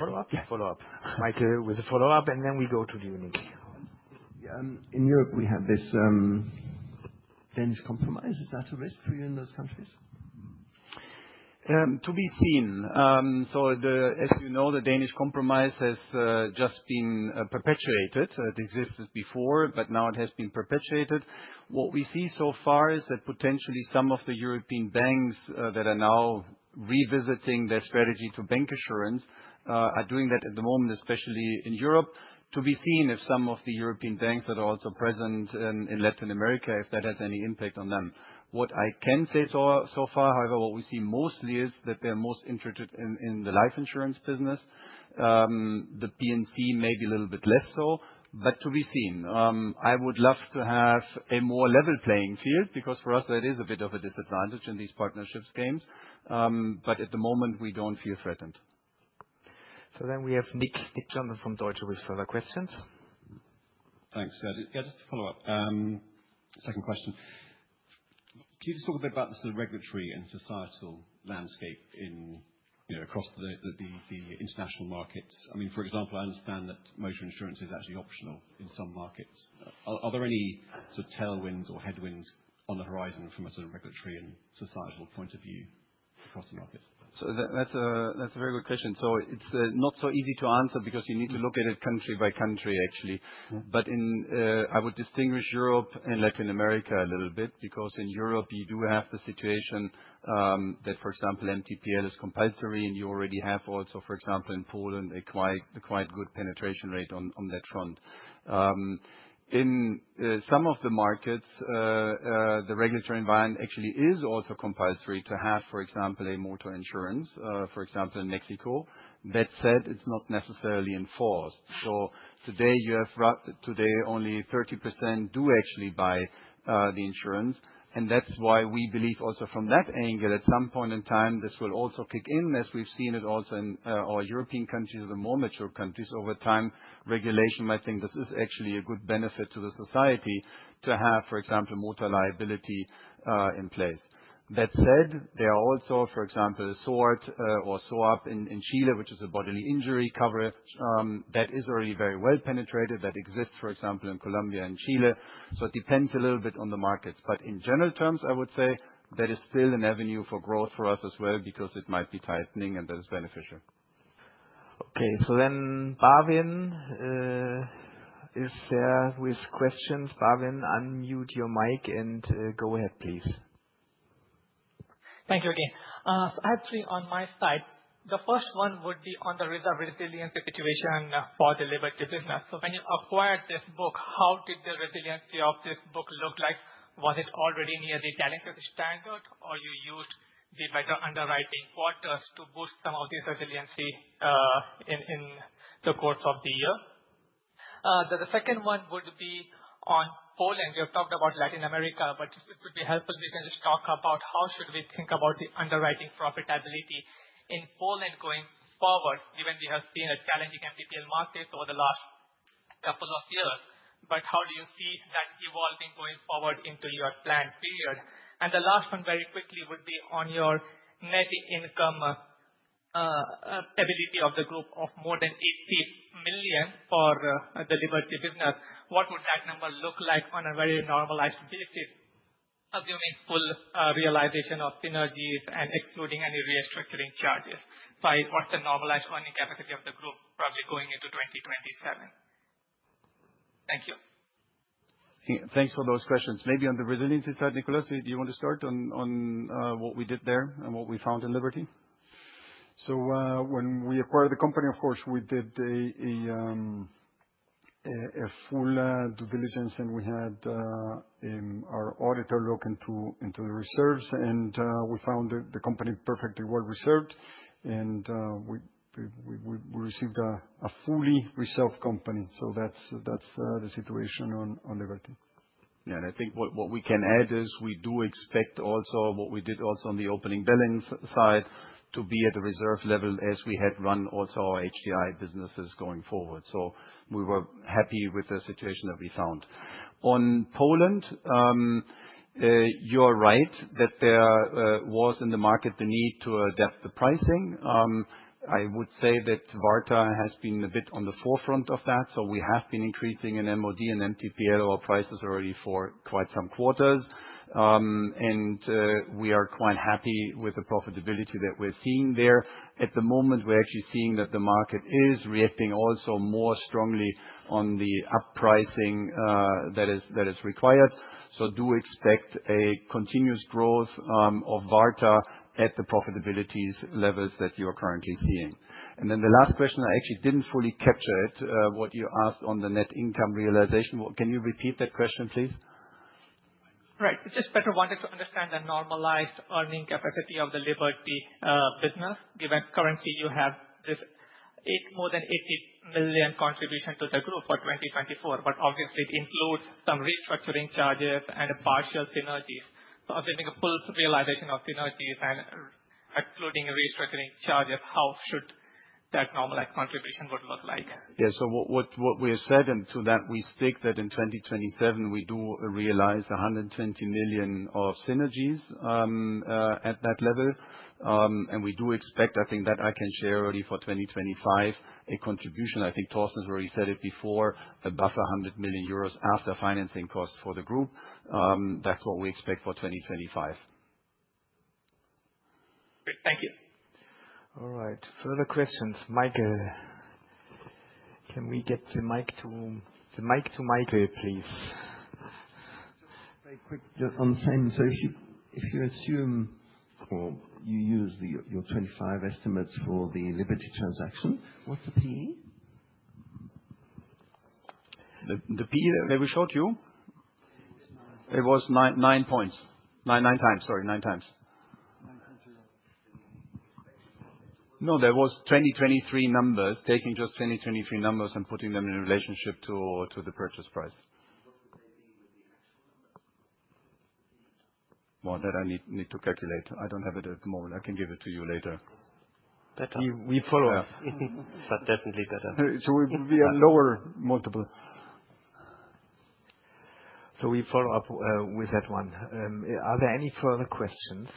Follow up? Yeah, follow up. Michael, with a follow up, and then we go to you, Nick. In Europe, we have this Danish Compromise. Is that a risk for you in those countries? To be seen. So as you know, the Danish Compromise has just been perpetuated. It existed before, but now it has been perpetuated. What we see so far is that potentially some of the European banks that are now revisiting their strategy to bancassurance are doing that at the moment, especially in Europe. To be seen if some of the European banks that are also present in Latin America, if that has any impact on them. What I can say so far, however, what we see mostly is that they're most interested in the life insurance business. The P&C may be a little bit less so, but to be seen. I would love to have a more level playing field because for us, that is a bit of a disadvantage in these partnerships games. But at the moment, we don't feel threatened. So then we have Nick Johnson from Deutsche with further questions. Thanks. Yeah, just to follow up, second question. Can you just talk a bit about the regulatory and societal landscape across the international markets? I mean, for example, I understand that motor insurance is actually optional in some markets. Are there any sort of tailwinds or headwinds on the horizon from a sort of regulatory and societal point of view across the markets? That's a very good question. It's not so easy to answer because you need to look at it country by country, actually. But I would distinguish Europe and Latin America a little bit because in Europe, you do have the situation that, for example, MTPL is compulsory, and you already have also, for example, in Poland, a quite good penetration rate on that front. In some of the markets, the regulatory environment actually is also compulsory to have, for example, a motor insurance, for example, in Mexico. That said, it's not necessarily enforced. So today, only 30% do actually buy the insurance. And that's why we believe also from that angle, at some point in time, this will also kick in as we've seen it also in our European countries and more mature countries. Over time, regulation might think this is actually a good benefit to the society to have, for example, motor liability in place. That said, there are also, for example, SOAT or SOAP in Chile, which is a bodily injury cover that is already very well penetrated that exists, for example, in Colombia and Chile. So it depends a little bit on the markets. But in general terms, I would say that is still an avenue for growth for us as well because it might be tightening, and that is beneficial. Okay. So then Bhavin is there with questions. Bhavin, unmute your mic and go ahead, please. Thank you, again. Actually, on my side, the first one would be on the reserve resiliency situation for the Liberty business. So when you acquired this book, how did the resiliency of this book look like? Was it already near the Talanx standard, or you used the better underwriting quarters to boost some of this resiliency in the course of the year? The second one would be on Poland. You have talked about Latin America, but if it would be helpful, we can just talk about how should we think about the underwriting profitability in Poland going forward, given we have seen a challenging MTPL market over the last couple of years. But how do you see that evolving going forward into your plan period? And the last one, very quickly, would be on your net income visibility of the group of more than 80 million for the Liberty business. What would that number look like on a very normalized basis, assuming full realization of synergies and excluding any restructuring charges? What's the normalized earning capacity of the group probably going into 2027? Thank you. Thanks for those questions. Maybe on the resiliency side, Nicolas, do you want to start on what we did there and what we found in Liberty? So when we acquired the company, of course, we did a full due diligence, and we had our auditor look into the reserves, and we found the company perfectly well reserved, and we received a fully reserved company. So that's the situation on Liberty. Yeah. And I think what we can add is we do expect also what we did also on the opening balance side to be at the reserve level as we had run also our HDI businesses going forward. So we were happy with the situation that we found. On Poland, you are right that there was in the market the need to adapt the pricing. I would say that Warta has been a bit on the forefront of that. So we have been increasing in MOD and MTPL our prices already for quite some quarters. And we are quite happy with the profitability that we are seeing there. At the moment, we are actually seeing that the market is reacting also more strongly on the uppricing that is required. So do expect a continuous growth of Warta at the profitability levels that you are currently seeing. The last question, I actually didn't fully capture it, what you asked on the net income realization. Can you repeat that question, please? Right. We just wanted to better understand the normalized earning capacity of the Liberty business, given currently you have more than 80 million contribution to the group for 2024. But obviously, it includes some restructuring charges and partial synergies. So assuming a full realization of synergies and excluding restructuring charges, how should that normalized contribution look like? Yeah. What we have said on that, we stick that in 2027. We do realize 120 million of synergies at that level. We do expect, I think that I can share already for 2025, a contribution. I think Torsten has already said it before, above 100 million euros after financing costs for the group. That's what we expect for 2025. Great. Thank you. All right. Further questions. Michael, can we get the mic to Michael, please? Just very quick, just on the same. So if you assume or you use your 2025 estimates for the Liberty transaction, what's the P/E? The P/E that we showed you? It was nine points. 9x, sorry, 9x. 9x zero. No, there was 2023 numbers, taking just 2023 numbers and putting them in relationship to the purchase price. What would they be with the actual numbers? That I need to calculate. I don't have it at the moment. I can give it to you later. Better. We follow up. But definitely better. So we have lower multiple. So we follow up with that one. Are there any further questions?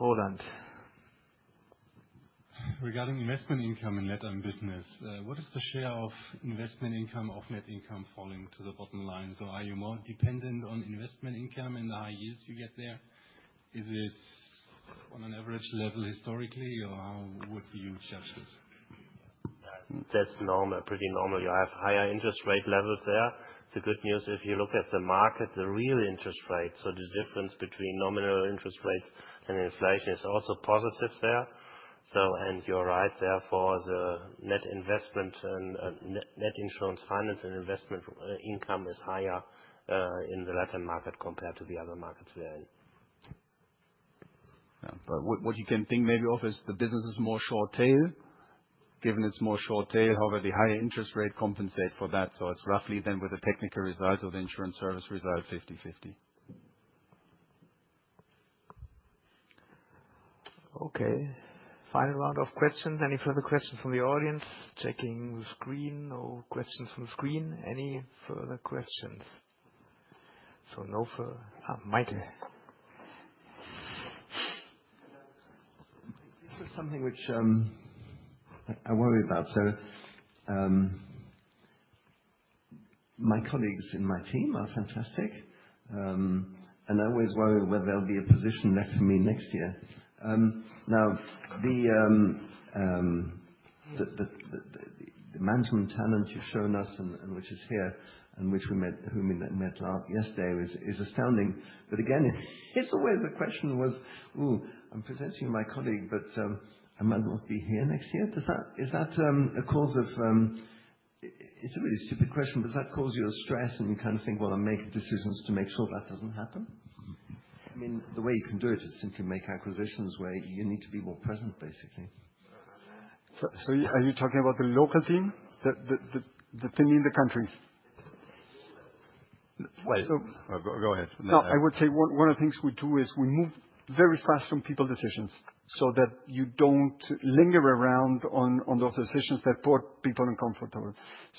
Roland. Regarding investment income in Latin business, what is the share of investment income of net income falling to the bottom line? So are you more dependent on investment income in the high yields you get there? Is it on an average level historically, or how would you judge this? That's normal, pretty normal. You have higher interest rate levels there. It's a good news if you look at the market, the real interest rate. So the difference between nominal interest rates and inflation is also positive there, and you're right, therefore, the net investment and net insurance finance and investment income is higher in the Latin market compared to the other markets we're in. But what you can think maybe of is the business is more short tail. Given it's more short tail, however, the higher interest rate compensates for that. So it's roughly then with the technical result or the insurance service result, 50/50. Okay. Final round of questions. Any further questions from the audience? Checking the screen. No questions from the screen. Any further questions? So no further. Michael. This is something which I worry about. So my colleagues in my team are fantastic. And I always worry whether there'll be a position left for me next year. Now, the management talent you've shown us, which is here, and which we met yesterday, is astounding. But again, it's always the question was, "Ooh, I'm presenting to my colleague, but I might not be here next year." Is that a cause? It's a really stupid question, but does that cause you stress and you kind of think, "Well, I'm making decisions to make sure that doesn't happen"? I mean, the way you can do it is simply make acquisitions where you need to be more present, basically. So are you talking about the local team, the team in the country? Well. Go ahead. No, I would say one of the things we do is we move very fast on people decisions so that you don't linger around on those decisions that put people uncomfortable.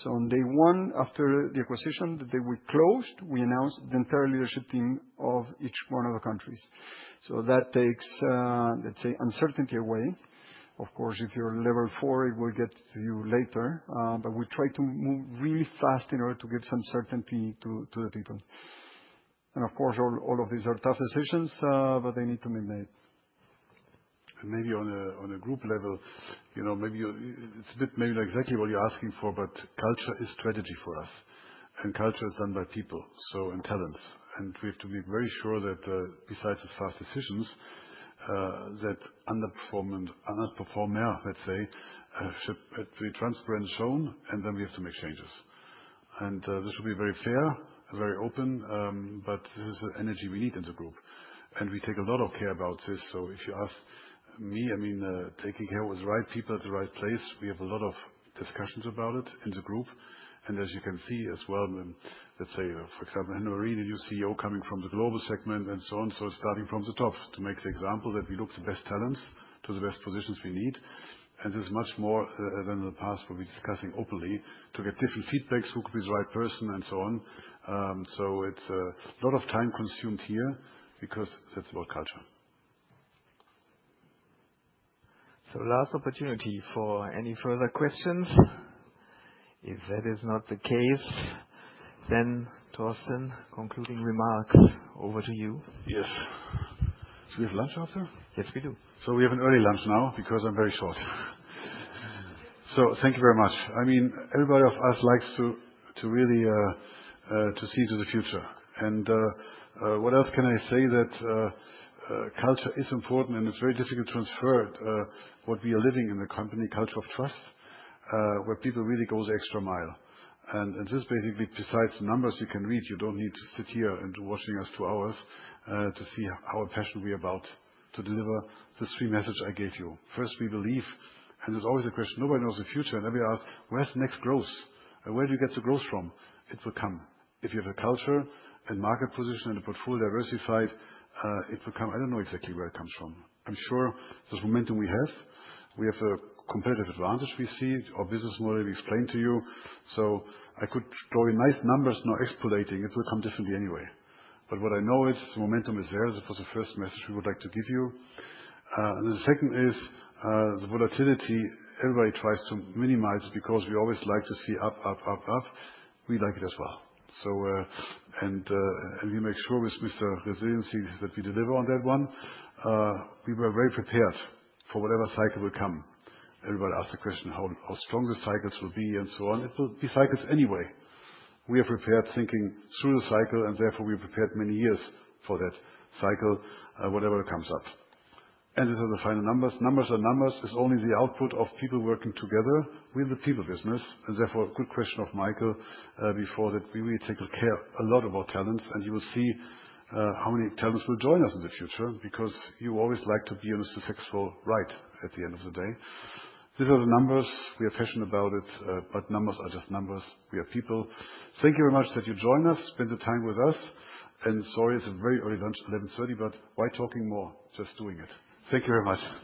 So on day one, after the acquisition, the day we closed, we announced the entire leadership team of each one of the countries. So that takes, let's say, uncertainty away. Of course, if you're level four, it will get to you later. But we try to move really fast in order to give some certainty to the people. And of course, all of these are tough decisions, but they need to be made. And maybe on a group level, maybe it's a bit maybe not exactly what you're asking for, but culture is strategy for us. And culture is done by people and talents. And we have to be very sure that besides the fast decisions, that underperformers, let's say, should be transparently shown, and then we have to make changes. And this will be very fair, very open, but this is the energy we need in the group. And we take a lot of care about this. So if you ask me, I mean, taking care of the right people at the right place, we have a lot of discussions about it in the group. And as you can see as well, let's say, for example, I know a really new CEO coming from the global segment and so on. So, starting from the top to make the example that we look for the best talents to the best positions we need. And this is much more than in the past where we're discussing openly to get different feedbacks, who could be the right person, and so on. So it's a lot of time consumed here because that's about culture. So last opportunity for any further questions. If that is not the case, then Torsten, concluding remarks, over to you. Yes. Do we have lunch after? Yes, we do. So we have an early lunch now because I'm very short. So thank you very much. I mean, everybody of us likes to really see into the future. And what else can I say? That culture is important, and it's very difficult to transfer what we are living in the company culture of trust, where people really go the extra mile. And this is basically, besides the numbers you can read, you don't need to sit here and watch us for two hours to see how passionate we are about to deliver the three messages I gave you. First, we believe, and it's always a question. Nobody knows the future. And then we ask, where's the next growth? Where do you get the growth from? It will come. If you have a culture and market position and a portfolio diversified, it will come. I don't know exactly where it comes from. I'm sure there's momentum we have. We have a competitive advantage we see. Our business model we explained to you. So I could draw you nice numbers, no extrapolating. It will come differently anyway. But what I know is the momentum is there. That was the first message we would like to give you. And the second is the volatility. Everybody tries to minimize it because we always like to see up, up, up, up. We like it as well. And we make sure with Mr. Resiliency that we deliver on that one. We were very prepared for whatever cycle will come. Everybody asked the question how strong the cycles will be and so on. It will be cycles anyway. We are prepared thinking through the cycle, and therefore we are prepared many years for that cycle, whatever comes up. These are the final numbers. Numbers are numbers. It's only the output of people working together with the people business. And therefore, good question of Michael before that we really take care a lot about talents. And you will see how many talents will join us in the future because you always like to be on a successful ride at the end of the day. These are the numbers. We are passionate about it, but numbers are just numbers. We are people. Thank you very much that you joined us, spent the time with us. And sorry, it's a very early lunch, 11:30 A.M., but why talking more? Just doing it. Thank you very much.